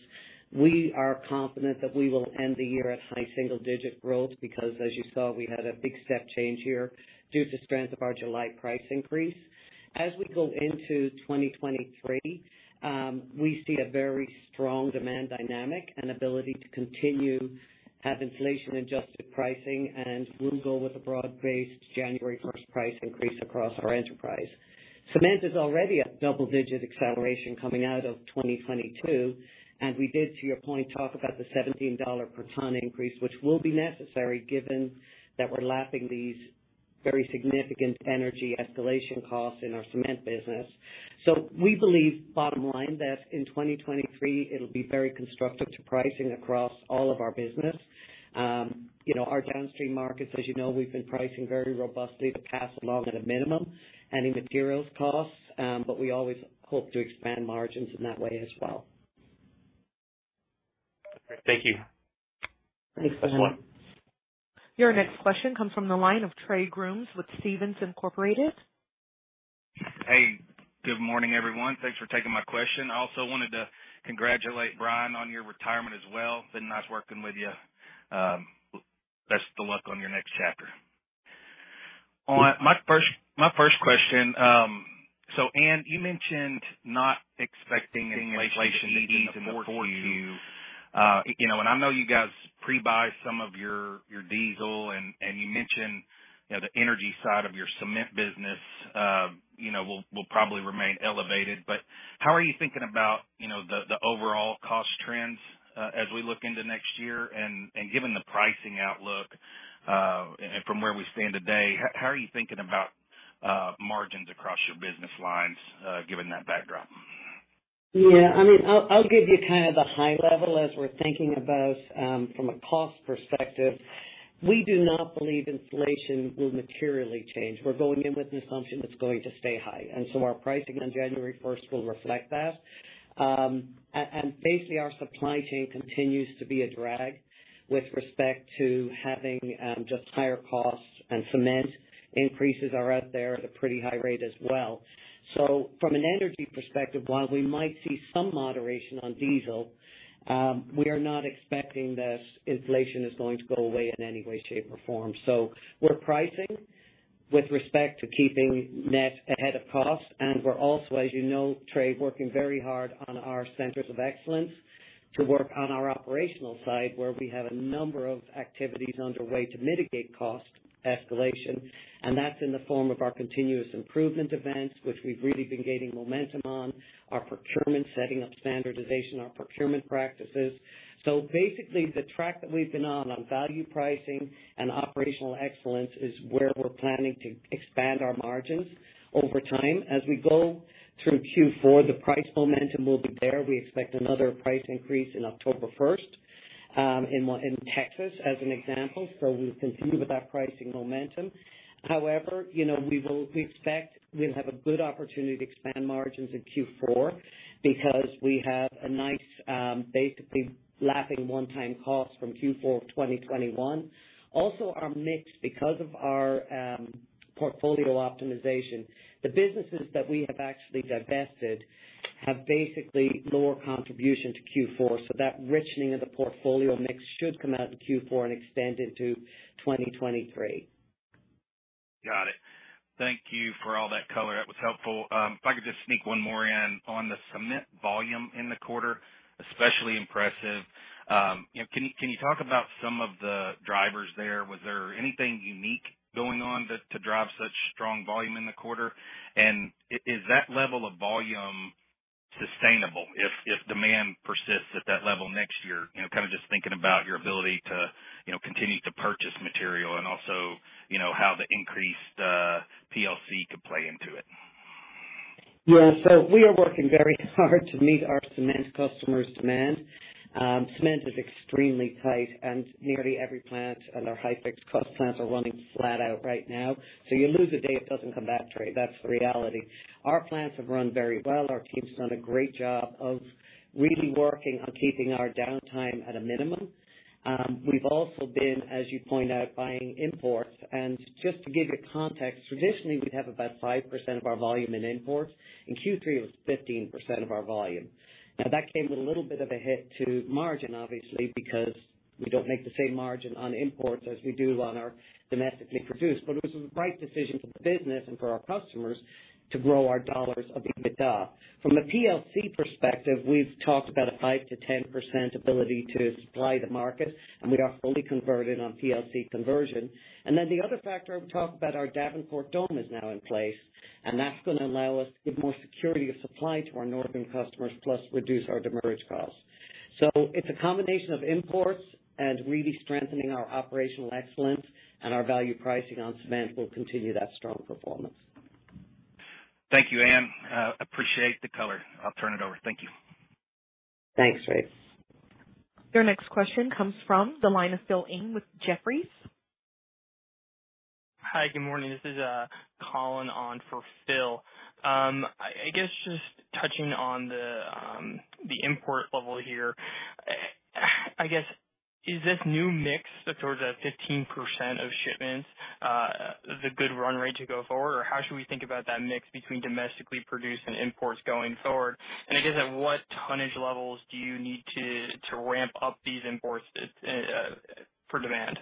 we are confident that we will end the year at high single-digit growth because, as you saw, we had a big step change here due to strength of our July price increase. As we go into 2023, we see a very strong demand dynamic and ability to continue to have inflation-adjusted pricing, and we'll go with a broad-based January 1st price increase across our enterprise. Cement is already at double-digit acceleration coming out of 2022, and we did, to your point, talk about the $17 per ton increase, which will be necessary given that we're lapping these very significant energy escalation costs in our cement business. We believe, bottom line, that in 2023, it'll be very constructive to pricing across all of our business. You know, our downstream markets, as you know, we've been pricing very robustly to pass along at a minimum any materials costs. We always hope to expand margins in that way as well. Thank you. Thank. Your next question comes from the line of Trey Grooms with Stephens Inc. Hey, good morning, everyone. Thanks for taking my question. I also wanted to congratulate Brian on your retirement as well. Been nice working with you. Best of luck on your next chapter. On my first question. So Anne, you mentioned not expecting inflation to ease in the 4Q. You know, and I know you guys pre-buy some of your diesel and you mentioned, you know, the energy side of your cement business, you know, will probably remain elevated. But how are you thinking about, you know, the overall cost trends, as we look into next year? And given the pricing outlook, and from where we stand today, how are you thinking about, margins across your business lines, given that backdrop? Yeah. I mean, I'll give you kind of the high level as we're thinking about from a cost perspective. We do not believe inflation will materially change. We're going in with an assumption it's going to stay high, and so our pricing on January first will reflect that. Basically our supply chain continues to be a drag with respect to having just higher costs, and cement increases are out there at a pretty high rate as well. From an energy perspective, while we might see some moderation on diesel, we are not expecting that inflation is going to go away in any way, shape, or form. We're pricing with respect to keeping net ahead of cost. We're also, as you know, Trey, working very hard on our centers of excellence to work on our operational side, where we have a number of activities underway to mitigate cost escalation, and that's in the form of our continuous improvement events, which we've really been gaining momentum on, our procurement, setting up standardization, our procurement practices. So basically, the track that we've been on value pricing and operational excellence is where we're planning to expand our margins over time. As we go through Q4, the price momentum will be there. We expect another price increase in October first, in Texas as an example. So we'll continue with our pricing momentum. However, you know, we expect we'll have a good opportunity to expand margins in Q4 because we have a nice, basically lapping one-time cost from Q4 of 2021. Also our mix, because of our portfolio optimization, the businesses that we have actually divested have basically lower contribution to Q4, so that richening of the portfolio mix should come out in Q4 and extend into 2023. Got it. Thank you for all that color. That was helpful. If I could just sneak one more in on the cement volume in the quarter, especially impressive. You know, can you talk about some of the drivers there? Was there anything unique going on that to drive such strong volume in the quarter? And is that level of volume sustainable if demand persists at that level next year? You know, kind of just thinking about your ability to continue to purchase material and also how the increased PLC could play into it. Yeah. We are working very hard to meet our cement customers' demand. Cement is extremely tight, and nearly every plant and our high fixed cost plants are running flat out right now. You lose a day, it doesn't come back, Trey. That's the reality. Our plants have run very well. Our team's done a great job of really working on keeping our downtime at a minimum. We've also been, as you point out, buying imports. Just to give you context, traditionally, we'd have about 5% of our volume in imports. In Q3, it was 15% of our volume. Now, that came with a little bit of a hit to margin, obviously, because we don't make the same margin on imports as we do on our domestically produced. It was the right decision for the business and for our customers to grow our dollars of EBITDA. From a PLC perspective, we've talked about a 5%-10% ability to supply the market, and we are fully converted on PLC conversion. The other factor I would talk about, our Davenport dome is now in place, and that's gonna allow us to give more security of supply to our northern customers, plus reduce our demurrage costs. It's a combination of imports and really strengthening our operational excellence and our value pricing on cement will continue that strong performance. Thank you, Anne. Appreciate the color. I'll turn it over. Thank you. Thanks, Trey. Your next question comes from the line of Phil Ng with Jefferies. Hi. Good morning. This is Collin on for Phil. I guess just touching on the import level here. I guess, is this new mix that's sort of that 15% of shipments the good run rate to go forward? Or how should we think about that mix between domestically produced and imports going forward? And I guess at what tonnage levels do you need to ramp up these imports for demand?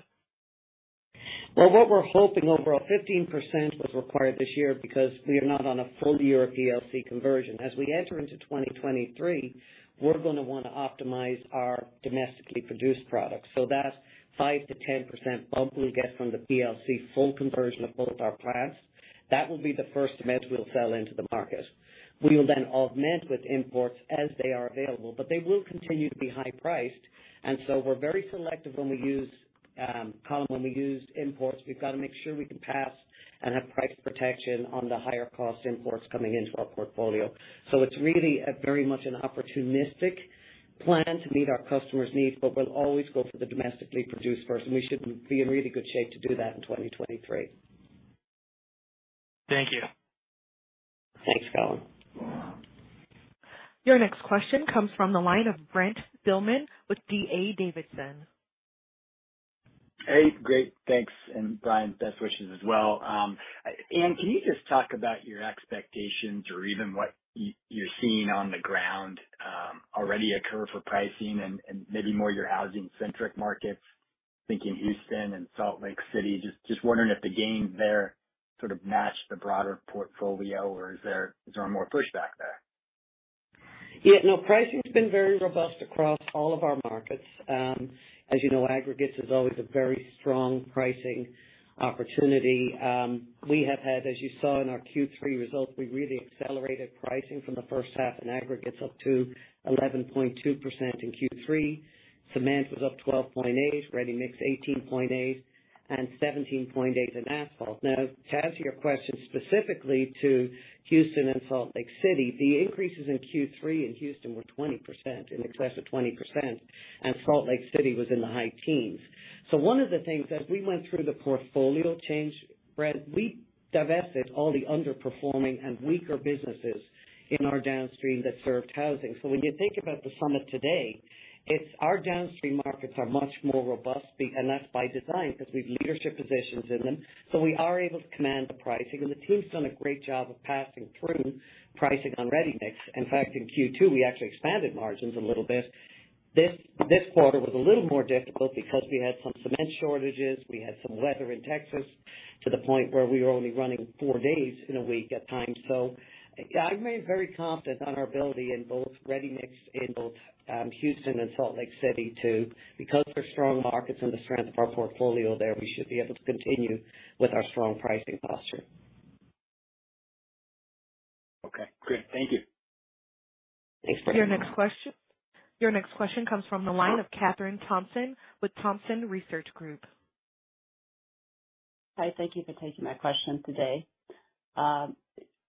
Well, what we're hoping overall, 15% was required this year because we are not on a full year of PLC conversion. As we enter into 2023, we're gonna wanna optimize our domestically produced products. So that 5%-10% bump we'll get from the PLC full conversion of both our plants, that will be the first cement we'll sell into the market. We will then augment with imports as they are available, but they will continue to be high priced. We're very selective when we use, Collin, when we use imports. We've got to make sure we can pass and have price protection on the higher cost imports coming into our portfolio. It's really a very much an opportunistic plan to meet our customers' needs, but we'll always go for the domestically produced first, and we should be in really good shape to do that in 2023. Thank you. Thanks, Collin. Your next question comes from the line of Brent Thielman with D.A. Davidson & Co. Hey. Great, thanks. Brian, best wishes as well. Anne, can you just talk about your expectations or even what you're seeing on the ground already occur for pricing and maybe more your housing centric markets, thinking Houston and Salt Lake City. Just wondering if the gain there sort of matched the broader portfolio or is there more pushback there? Yeah, no, pricing's been very robust across all of our markets. As you know, aggregates is always a very strong pricing opportunity. We have had, as you saw in our Q3 results, we really accelerated pricing from the first half in aggregates up to 11.2% in Q3. Cement was up 12.8%. Ready-mix 18.8%, and 17.8% in asphalt. Now, to answer your question specifically to Houston and Salt Lake City, the increases in Q3 in Houston were 20%, in excess of 20%, and Salt Lake City was in the high teens. One of the things as we went through the portfolio change, Brent, we divested all the underperforming and weaker businesses in our downstream that served housing. When you think about the Summit today, it's our downstream markets are much more robust. That's by design because we have leadership positions in them, so we are able to command the pricing. The team's done a great job of passing through pricing on ready-mix. In fact, in Q2, we actually expanded margins a little bit. This quarter was a little more difficult because we had some cement shortages. We had some weather in Texas to the point where we were only running four days in a week at times. I remain very confident on our ability in both ready-mix in Houston and Salt Lake City because they're strong markets and the strength of our portfolio there, we should be able to continue with our strong pricing posture. Okay, great. Thank you. Thanks, Brent. Your next question comes from the line of Kathryn Thompson with Thompson Research Group. Hi, thank you for taking my question today.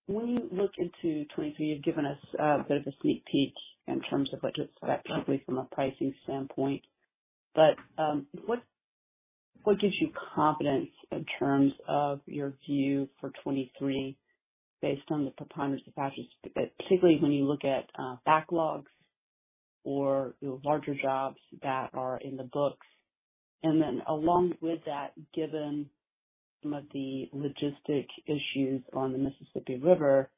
When you look into 2023, you've given us a bit of a sneak peek in terms of what to expect, particularly from a pricing standpoint. What gives you confidence in terms of your view for 2023 based on the preponderance of factors, particularly when you look at backlogs or larger jobs that are in the books? Along with that, given some of the logistic issues on the Mississippi River,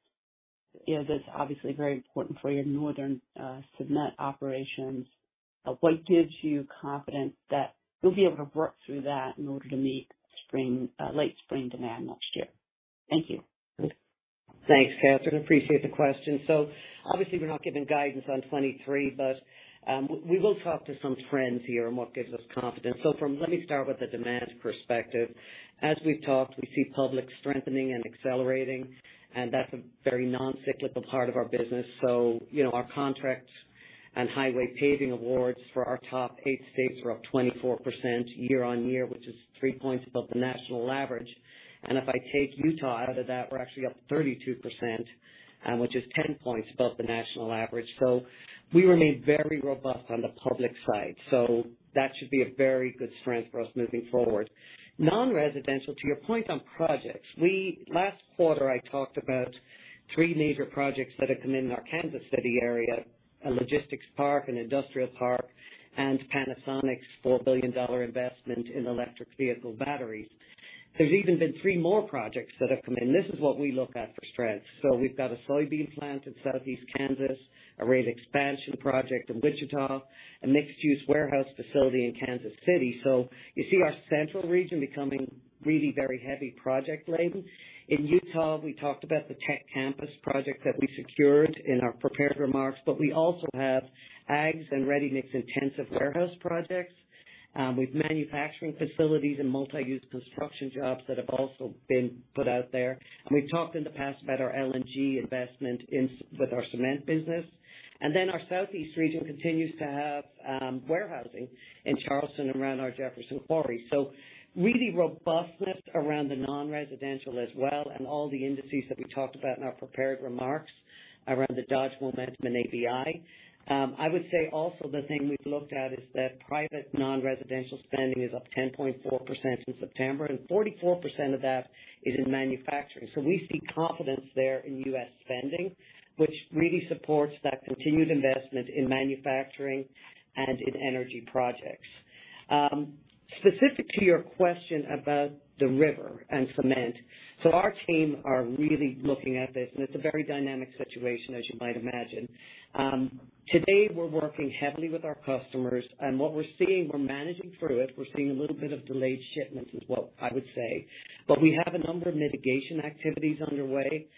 you know, that's obviously very important for your northern cement operations. What gives you confidence that you'll be able to work through that in order to meet spring, late spring demand next year? Thank you. Thanks, Kathryn. Appreciate the question. Obviously, we're not giving guidance on 2023, but we will talk to some trends here and what gives us confidence. Let me start with the demand perspective. As we've talked, we see public strengthening and accelerating, and that's a very non-cyclical part of our business. You know, our contracts and highway paving awards for our top eight states were up 24% year-on-year, which is three points above the national average. If I take Utah out of that, we're actually up 32%, which is 10 points above the national average. We remain very robust on the public side. That should be a very good strength for us moving forward. Non-residential, to your point on projects. Last quarter, I talked about three major projects that have come in our Kansas City area, a logistics park, an industrial park, and Panasonic's $4 billion investment in electric vehicle batteries. There's even been three more projects that have come in. This is what we look at for strength. We've got a soybean plant in southeast Kansas, a rail expansion project in Wichita, a mixed-use warehouse facility in Kansas City. You see our central region becoming really very heavy project laden. In Utah, we talked about the tech campus project that we secured in our prepared remarks, but we also have aggs and ready-mix intensive warehouse projects, with manufacturing facilities and multi-use construction jobs that have also been put out there. We've talked in the past about our LNG investment with our cement business. Our southeast region continues to have warehousing in Charleston around our Jefferson Quarry. Really robustness around the non-residential as well and all the indices that we talked about in our prepared remarks around the Dodge Momentum Index and ABI. I would say also the thing we've looked at is that private non-residential spending is up 10.4% since September, and 44% of that is in manufacturing. We see confidence there in U.S. spending, which really supports that continued investment in manufacturing and in energy projects. Specific to your question about the river and cement. Our team are really looking at this and it's a very dynamic situation, as you might imagine. Today, we're working heavily with our customers and what we're seeing, we're managing through it. We're seeing a little bit of delayed shipments is what I would say. We have a number of mitigation activities underway.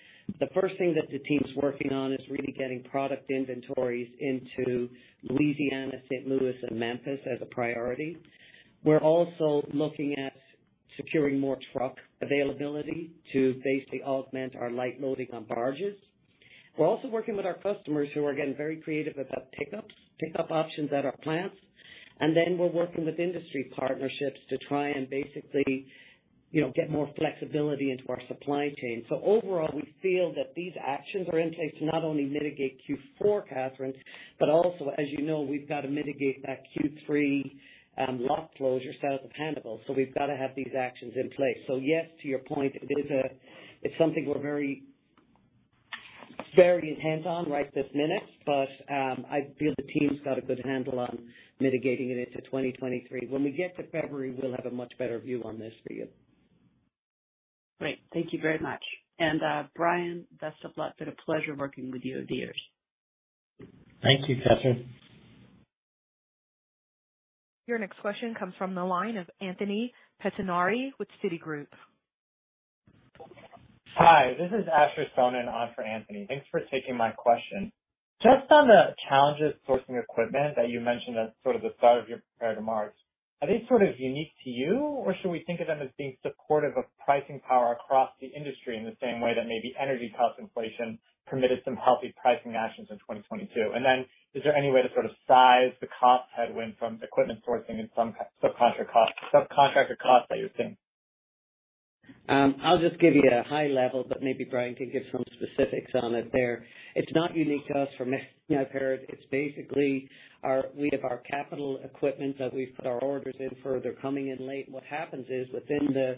The first thing that the team's working on is really getting product inventories into Louisiana, St. Louis, and Memphis as a priority. We're also looking at securing more truck availability to basically augment our light loading on barges. We're also working with our customers who are getting very creative about pickups, pickup options at our plants. Then we're working with industry partnerships to try and basically, you know, get more flexibility into our supply chain. Overall, we feel that these actions are in place to not only mitigate Q4, Kathryn, but also as you know, we've got to mitigate that Q3 lot closure south of handleable. We've got to have these actions in place. Yes, to your point, it's something we're very very hands-on right this minute, but I feel the team's got a good handle on mitigating it into 2023. When we get to February, we'll have a much better view on this for you. Great. Thank you very much. Brian, best of luck. Been a pleasure working with you over the years. Thank you, Kathryn. Your next question comes from the line of Anthony Pettinari with Citigroup. Hi, this is Asher Sohnen on for Anthony. Thanks for taking my question. Just on the challenges sourcing equipment that you mentioned at sort of the start of your prepared remarks, are they sort of unique to you, or should we think of them as being supportive of pricing power across the industry in the same way that maybe energy cost inflation permitted some healthy pricing actions in 2022? Then is there any way to sort of size the cost headwind from equipment sourcing and some subcontractor costs that you're seeing? I'll just give you a high level, but maybe Brian can give some specifics on it there. It's not unique to us from repair. It's basically we have our capital equipment that we've put our orders in for. They're coming in late. What happens is, within the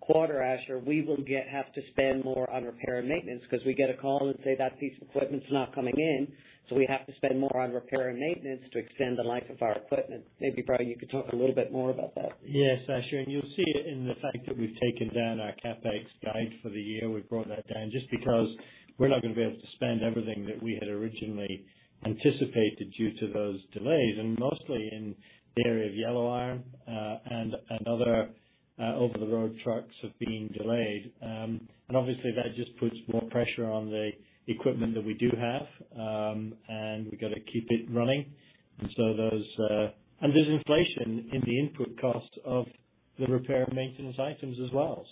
quarter, Asher, we will have to spend more on repair and maintenance because we get a call that say that piece of equipment's not coming in, so we have to spend more on repair and maintenance to extend the life of our equipment. Maybe, Brian, you could talk a little bit more about that. Yes, Asher. You'll see it in the fact that we've taken down our CapEx guide for the year. We've brought that down just because we're not gonna be able to spend everything that we had originally anticipated due to those delays, and mostly in the area of yellow iron, and other over-the-road trucks have been delayed. Obviously that just puts more pressure on the equipment that we do have, and we've got to keep it running. There's inflation in the input cost of the repair and maintenance items as well.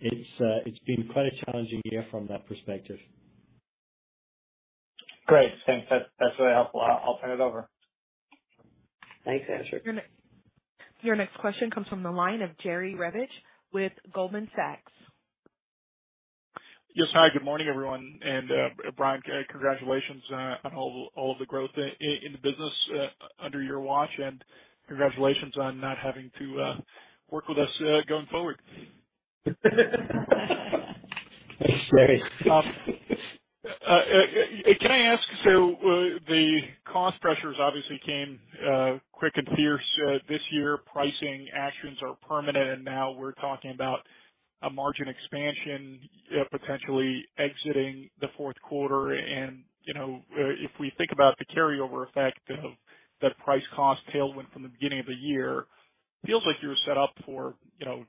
It's been quite a challenging year from that perspective. Great. Thanks. That's really helpful. I'll turn it over. Thanks, Asher. Your next question comes from the line of Jerry Revich with Goldman Sachs. Yes. Hi, good morning, everyone. Brian, congratulations on all of the growth in the business under your watch, and congratulations on not having to work with us going forward. Thanks, Jerry. Can I ask, the cost pressures obviously came quick and fierce this year. Pricing actions are permanent, and now we're talking about a margin expansion potentially exiting the Q4. You know, if we think about the carryover effect of that price cost tailwind from the beginning of the year, it feels like you were set up for, you know,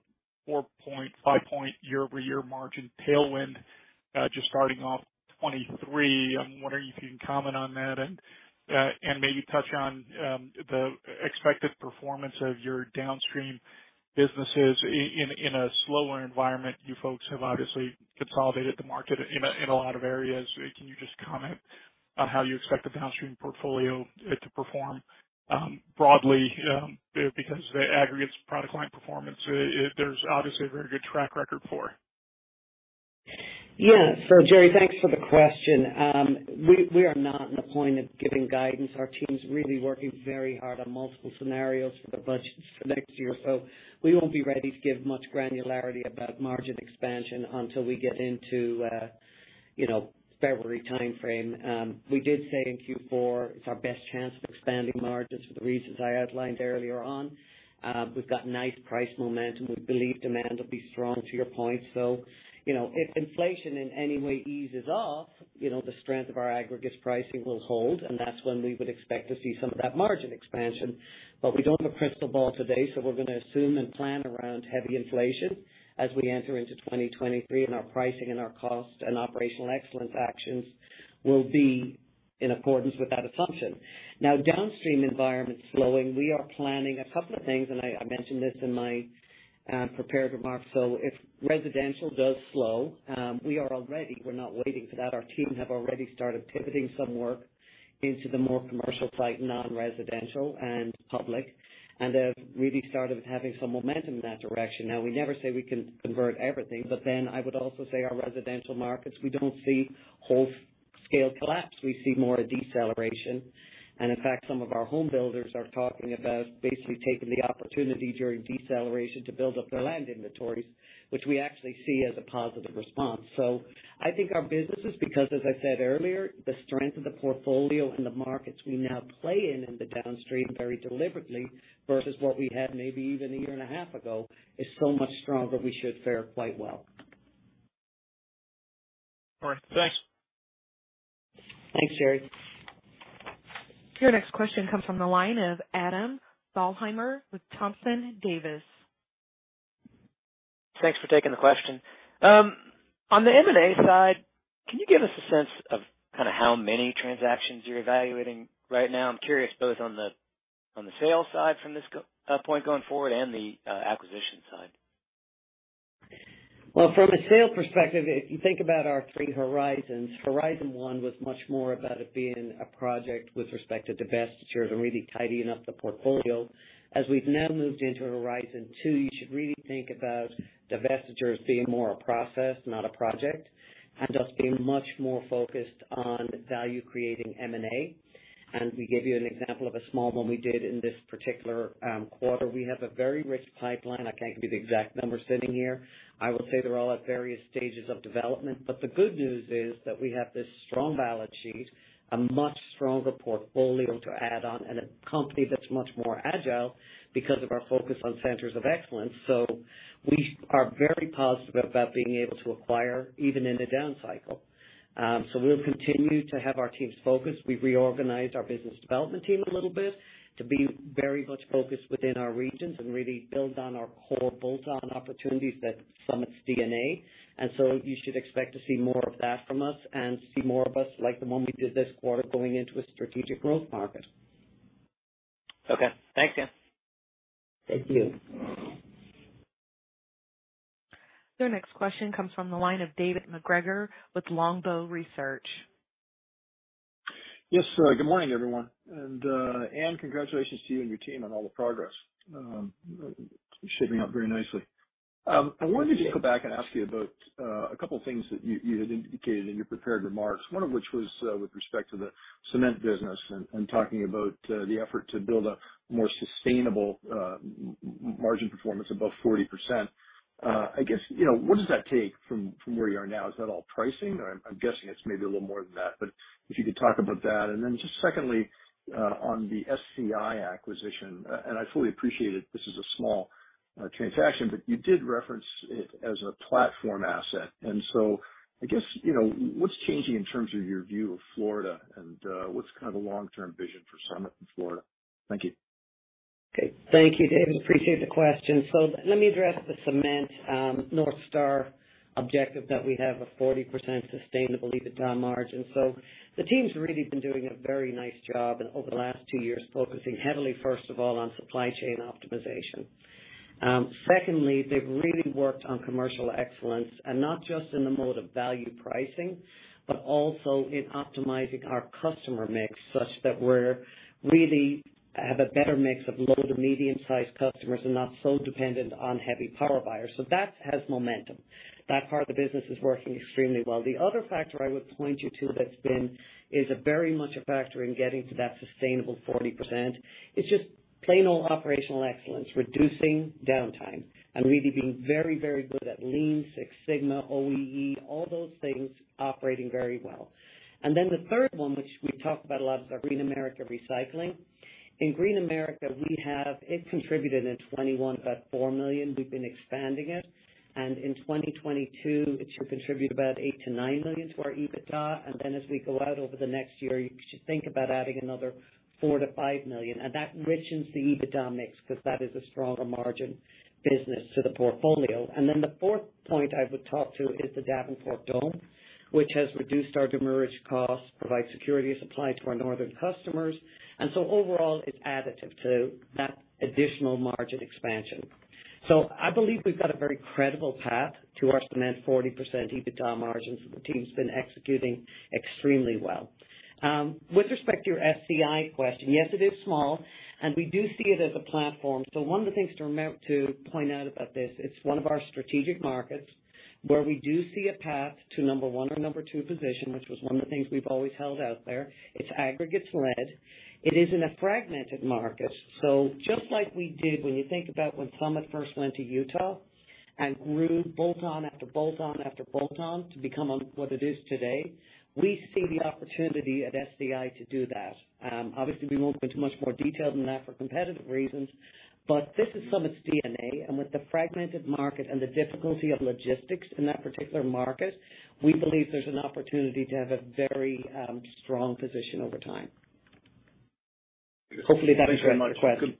4.5-point year-over-year margin tailwind just starting off 2023. I'm wondering if you can comment on that and maybe touch on the expected performance of your downstream businesses in a slower environment. You folks have obviously consolidated the market in a lot of areas. Can you just comment on how you expect the downstream portfolio to perform broadly because the aggregates product line performance, there's obviously a very good track record for? Yeah. Jerry, thanks for the question. We are not at a point of giving guidance. Our team's really working very hard on multiple scenarios for the budgets for next year. We won't be ready to give much granularity about margin expansion until we get into you know, February timeframe. We did say in Q4, it's our best chance of expanding margins for the reasons I outlined earlier on. We've got nice price momentum. We believe demand will be strong, to your point. You know, if inflation in any way eases off, you know, the strength of our aggregates pricing will hold, and that's when we would expect to see some of that margin expansion. We don't have a crystal ball today, so we're gonna assume and plan around heavy inflation as we enter into 2023, and our pricing and our cost and operational excellence actions will be in accordance with that assumption. Now, downstream environment's slowing. We are planning a couple of things, and I mentioned this in my prepared remarks. If residential does slow, we are all ready. We're not waiting for that. Our team have already started pivoting some work into the more commercial side, non-residential and public, and they've really started having some momentum in that direction. Now, we never say we can convert everything, but then I would also say our residential markets, we don't see wholesale collapse. We see more of a deceleration. In fact, some of our home builders are talking about basically taking the opportunity during deceleration to build up their land inventories, which we actually see as a positive response. I think our businesses, because as I said earlier, the strength of the portfolio and the markets we now play in the downstream very deliberately versus what we had maybe even a year and a half ago, is so much stronger, we should fare quite well. All right. Thanks. Thanks, Jerry. Your next question comes from the line of Adam Thalhimer with Thompson Davis. Thanks for taking the question. On the M&A side, can you give us a sense of kind of how many transactions you're evaluating right now? I'm curious both on the sales side from this point going forward and the acquisition side. Well, from a sales perspective, if you think about our three horizons, horizon one was much more about it being a project with respect to divestitures and really tidying up the portfolio. As we've now moved into horizon two, you should really think about divestitures being more a process, not a project, and us being much more focused on value creating M&A. We gave you an example of a small one we did in this particular quarter. We have a very rich pipeline. I can't give you the exact numbers sitting here. I will say they're all at various stages of development. The good news is that we have this strong balance sheet, a much stronger portfolio to add on, and a company that's much more agile because of our focus on centers of excellence. We are very positive about being able to acquire even in a down cycle. We'll continue to have our teams focused. We've reorganized our business development team a little bit to be very much focused within our regions and really build on our core bolt-on opportunities that's Summit's DNA. You should expect to see more of that from us and see more of us like the one we did this quarter, going into a strategic growth market. Okay. Thank you. Thank you. Your next question comes from the line of David MacGregor with Longbow Research. Yes. Good morning, everyone. Anne, congratulations to you and your team on all the progress. Shaping up very nicely. I wanted to go back and ask you about a couple of things that you had indicated in your prepared remarks, one of which was with respect to the cement business and talking about the effort to build a more sustainable margin performance above 40%. I guess, you know, what does that take from where you are now? Is that all pricing? I'm guessing it's maybe a little more than that, but if you could talk about that. Just secondly, on the SCI acquisition, and I fully appreciate it, this is a small transaction, but you did reference it as a platform asset. I guess, you know, what's changing in terms of your view of Florida and what's kind of the long-term vision for Summit in Florida? Thank you. Okay. Thank you, David. Appreciate the question. Let me address the cement North Star objective that we have a 40% sustainable EBITDA margin. The team's really been doing a very nice job over the last two years, focusing heavily, first of all, on supply chain optimization. Second, they've really worked on commercial excellence and not just in the mode of value pricing, but also in optimizing our customer mix such that we really have a better mix of low to medium-sized customers and not so dependent on heavy power buyers. That has momentum. That part of the business is working extremely well. The other factor I would point you to that's been is a very much a factor in getting to that sustainable 40% is just plain old operational excellence, reducing downtime and really being very, very good at Lean, Six Sigma, OEE, all those things operating very well. Then the third one, which we talk about a lot, is our Green America Recycling. In Green America, it contributed in 2021 about $4 million. We've been expanding it, and in 2022 it should contribute about $8 million-$9 million to our EBITDA. Then as we go out over the next year, you should think about adding another $4 million-$5 million. That enriches the EBITDA mix because that is a stronger margin business to the portfolio. The fourth point I would talk to is the Davenport Dome, which has reduced our demurrage costs, provide security of supply to our northern customers. Overall, it's additive to that additional margin expansion. I believe we've got a very credible path to our cement 40% EBITDA margins, and the team's been executing extremely well. With respect to your SCI question, yes, it is small, and we do see it as a platform. One of the things to remember to point out about this, it's one of our strategic markets where we do see a path to number one or number two position, which was one of the things we've always held out there. It's aggregates led. It is in a fragmented market. Just like we did when you think about when Summit first went to Utah and grew bolt-on after bolt-on after bolt-on to become on what it is today, we see the opportunity at SCI to do that. Obviously, we won't go into much more detail than that for competitive reasons, but this is Summit's DNA. With the fragmented market and the difficulty of logistics in that particular market, we believe there's an opportunity to have a very, strong position over time. Hopefully that answered your question.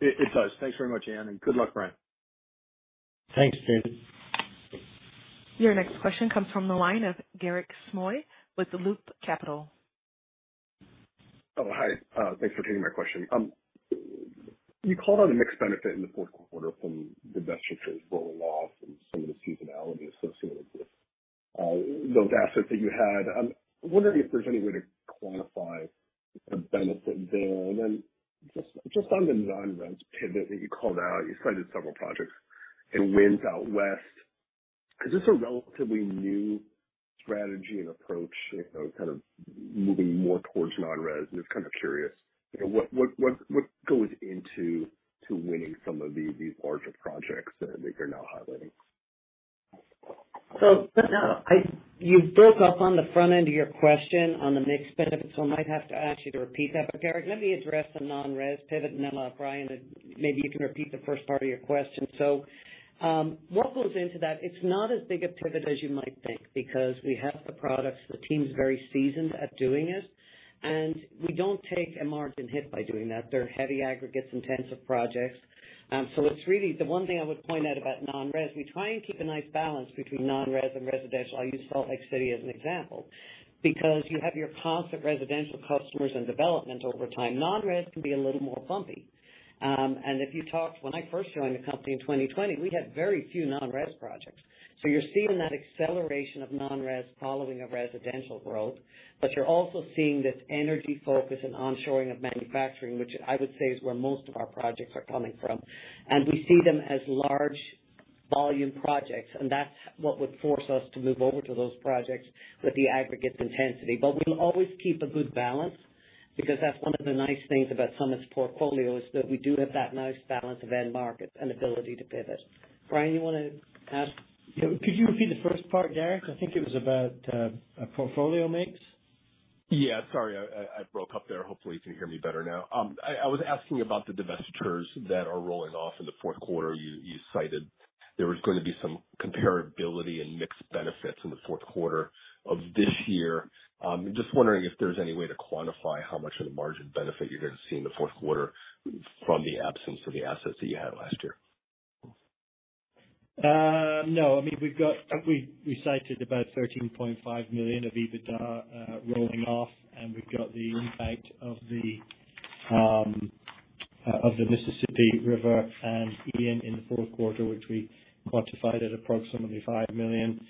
It does. Thanks very much, Anne, and good luck, Brian. Thanks, David. Your next question comes from the line of Garik Shmois with Loop Capital. Oh, hi. Thanks for taking my question. You called out a mixed benefit in the Q4 from divestitures rolling off and some of the seasonality associated with those assets that you had. I'm wondering if there's any way to quantify the benefit there. Just on the non-res pivot that you called out, you cited several projects and wins out west. Is this a relatively new strategy and approach, you know, kind of moving more towards non-res? Just kind of curious, you know, what goes into winning some of the larger projects that you're now highlighting? You broke up on the front end of your question on the mixed benefits, so I might have to ask you to repeat that. Garik, let me address the non-res pivot and then I'll ask Brian to maybe you can repeat the first part of your question. What goes into that? It's not as big a pivot as you might think because we have the products. The team's very seasoned at doing it, and we don't take a margin hit by doing that. They're heavy aggregates, intensive projects. It's really the one thing I would point out about non-res. We try and keep a nice balance between non-res and residential. I'll use Salt Lake City as an example, because you have your constant residential customers and development over time. Non-res can be a little more bumpy. And if you talked... When I first joined the company in 2020, we had very few non-res projects. You're seeing that acceleration of non-res following a residential growth, but you're also seeing this energy focus and onshoring of manufacturing, which I would say is where most of our projects are coming from. We see them as large volume projects, and that's what would force us to move over to those projects with the aggregate intensity. We'll always keep a good balance because that's one of the nice things about Summit's portfolio is that we do have that nice balance of end markets and ability to pivot. Brian, you wanna add? Yeah. Could you repeat the first part, Garik? I think it was about a portfolio mix. Yeah. Sorry, I broke up there. Hopefully, you can hear me better now. I was asking about the divestitures that are rolling off in the Q4. You cited there was gonna be some comparability and mixed benefits in the Q4 of this year. Just wondering if there's any way to quantify how much of the margin benefit you're gonna see in the Q4 from the absence of the assets that you had last year. No, I mean, we've got I think we cited about $13.5 million of EBITDA rolling off, and we've got the impact of the Mississippi River and EM in the Q4, which we quantified at approximately $5 million.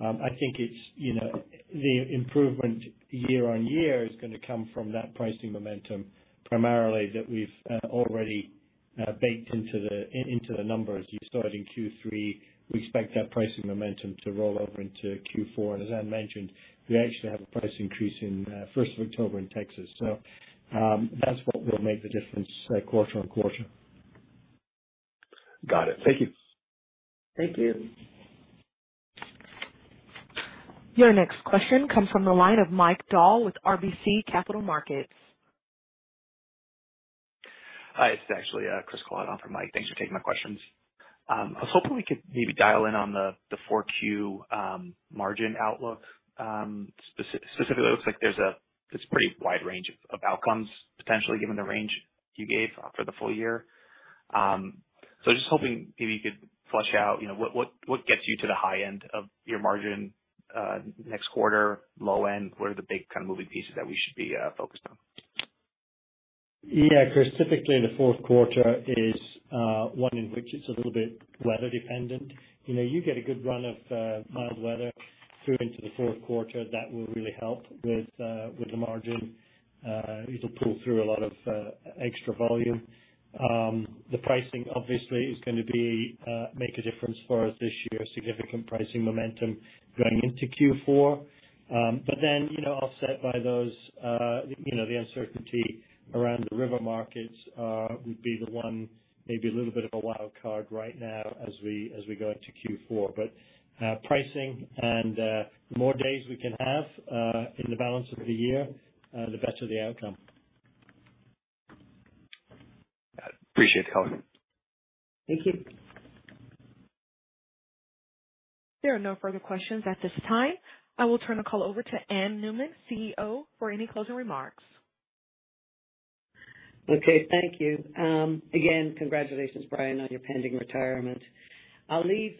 I think it's, you know, the improvement year-on-year is gonna come from that pricing momentum, primarily that we've already baked into the numbers you saw it in Q3. We expect that pricing momentum to roll over into Q4. As Anne mentioned, we actually have a price increase in 1st October in Texas. That's what will make the difference quarter-on-quarter. Got it. Thank you. Thank you. Your next question comes from the line of Mike Dahl with RBC Capital Markets. Hi, it's actually Chris Kalata on for Mike. Thanks for taking my questions. I was hoping we could maybe dial in on the 4Q margin outlook. Specifically, it looks like there's a pretty wide range of outcomes potentially given the range you gave for the full year. So just hoping maybe you could flesh out, you know, what gets you to the high end of your margin next quarter, low end? What are the big kind of moving pieces that we should be focused on? Yeah, Chris, typically in the Q4 is one in which it's a little bit weather dependent. You know, you get a good run of mild weather through into the Q4, that will really help with the margin. It'll pull through a lot of extra volume. The pricing obviously is gonna make a difference for us this year. Significant pricing momentum going into Q4. But then, you know, offset by those, you know, the uncertainty around the river markets, would be the one maybe a little bit of a wild card right now as we go into Q4. Pricing and the more days we can have in the balance of the year, the better the outcome. Appreciate the color. Thank you. There are no further questions at this time. I will turn the call over to Anne Noonan, CEO, for any closing remarks. Okay. Thank you. Again, congratulations, Brian, on your pending retirement. I'll leave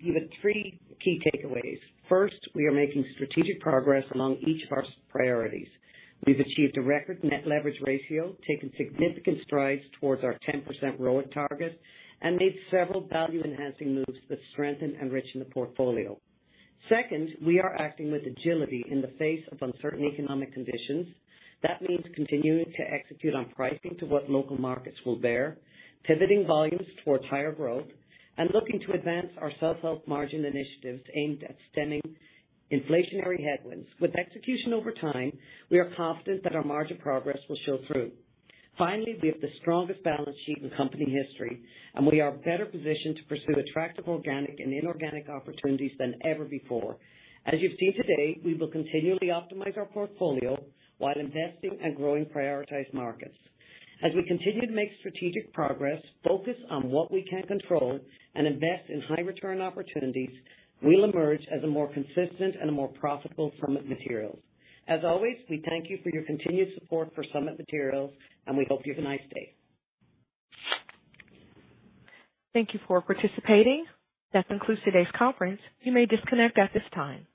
you with three key takeaways. First, we are making strategic progress among each of our priorities. We've achieved a record net leverage ratio, taken significant strides towards our 10% ROIC target, and made several value-enhancing moves that strengthen and richen the portfolio. Second, we are acting with agility in the face of uncertain economic conditions. That means continuing to execute on pricing to what local markets will bear, pivoting volumes towards higher growth, and looking to advance our self-help margin initiatives aimed at stemming inflationary headwinds. With execution over time, we are confident that our margin progress will show through. Finally, we have the strongest balance sheet in company history, and we are better positioned to pursue attractive organic and inorganic opportunities than ever before. As you've seen today, we will continually optimize our portfolio while investing and growing prioritized markets. As we continue to make strategic progress, focus on what we can control, and invest in high return opportunities, we'll emerge as a more consistent and a more profitable Summit Materials. As always, we thank you for your continued support for Summit Materials, and we hope you have a nice day. Thank you for participating. That concludes today's conference. You may disconnect at this time.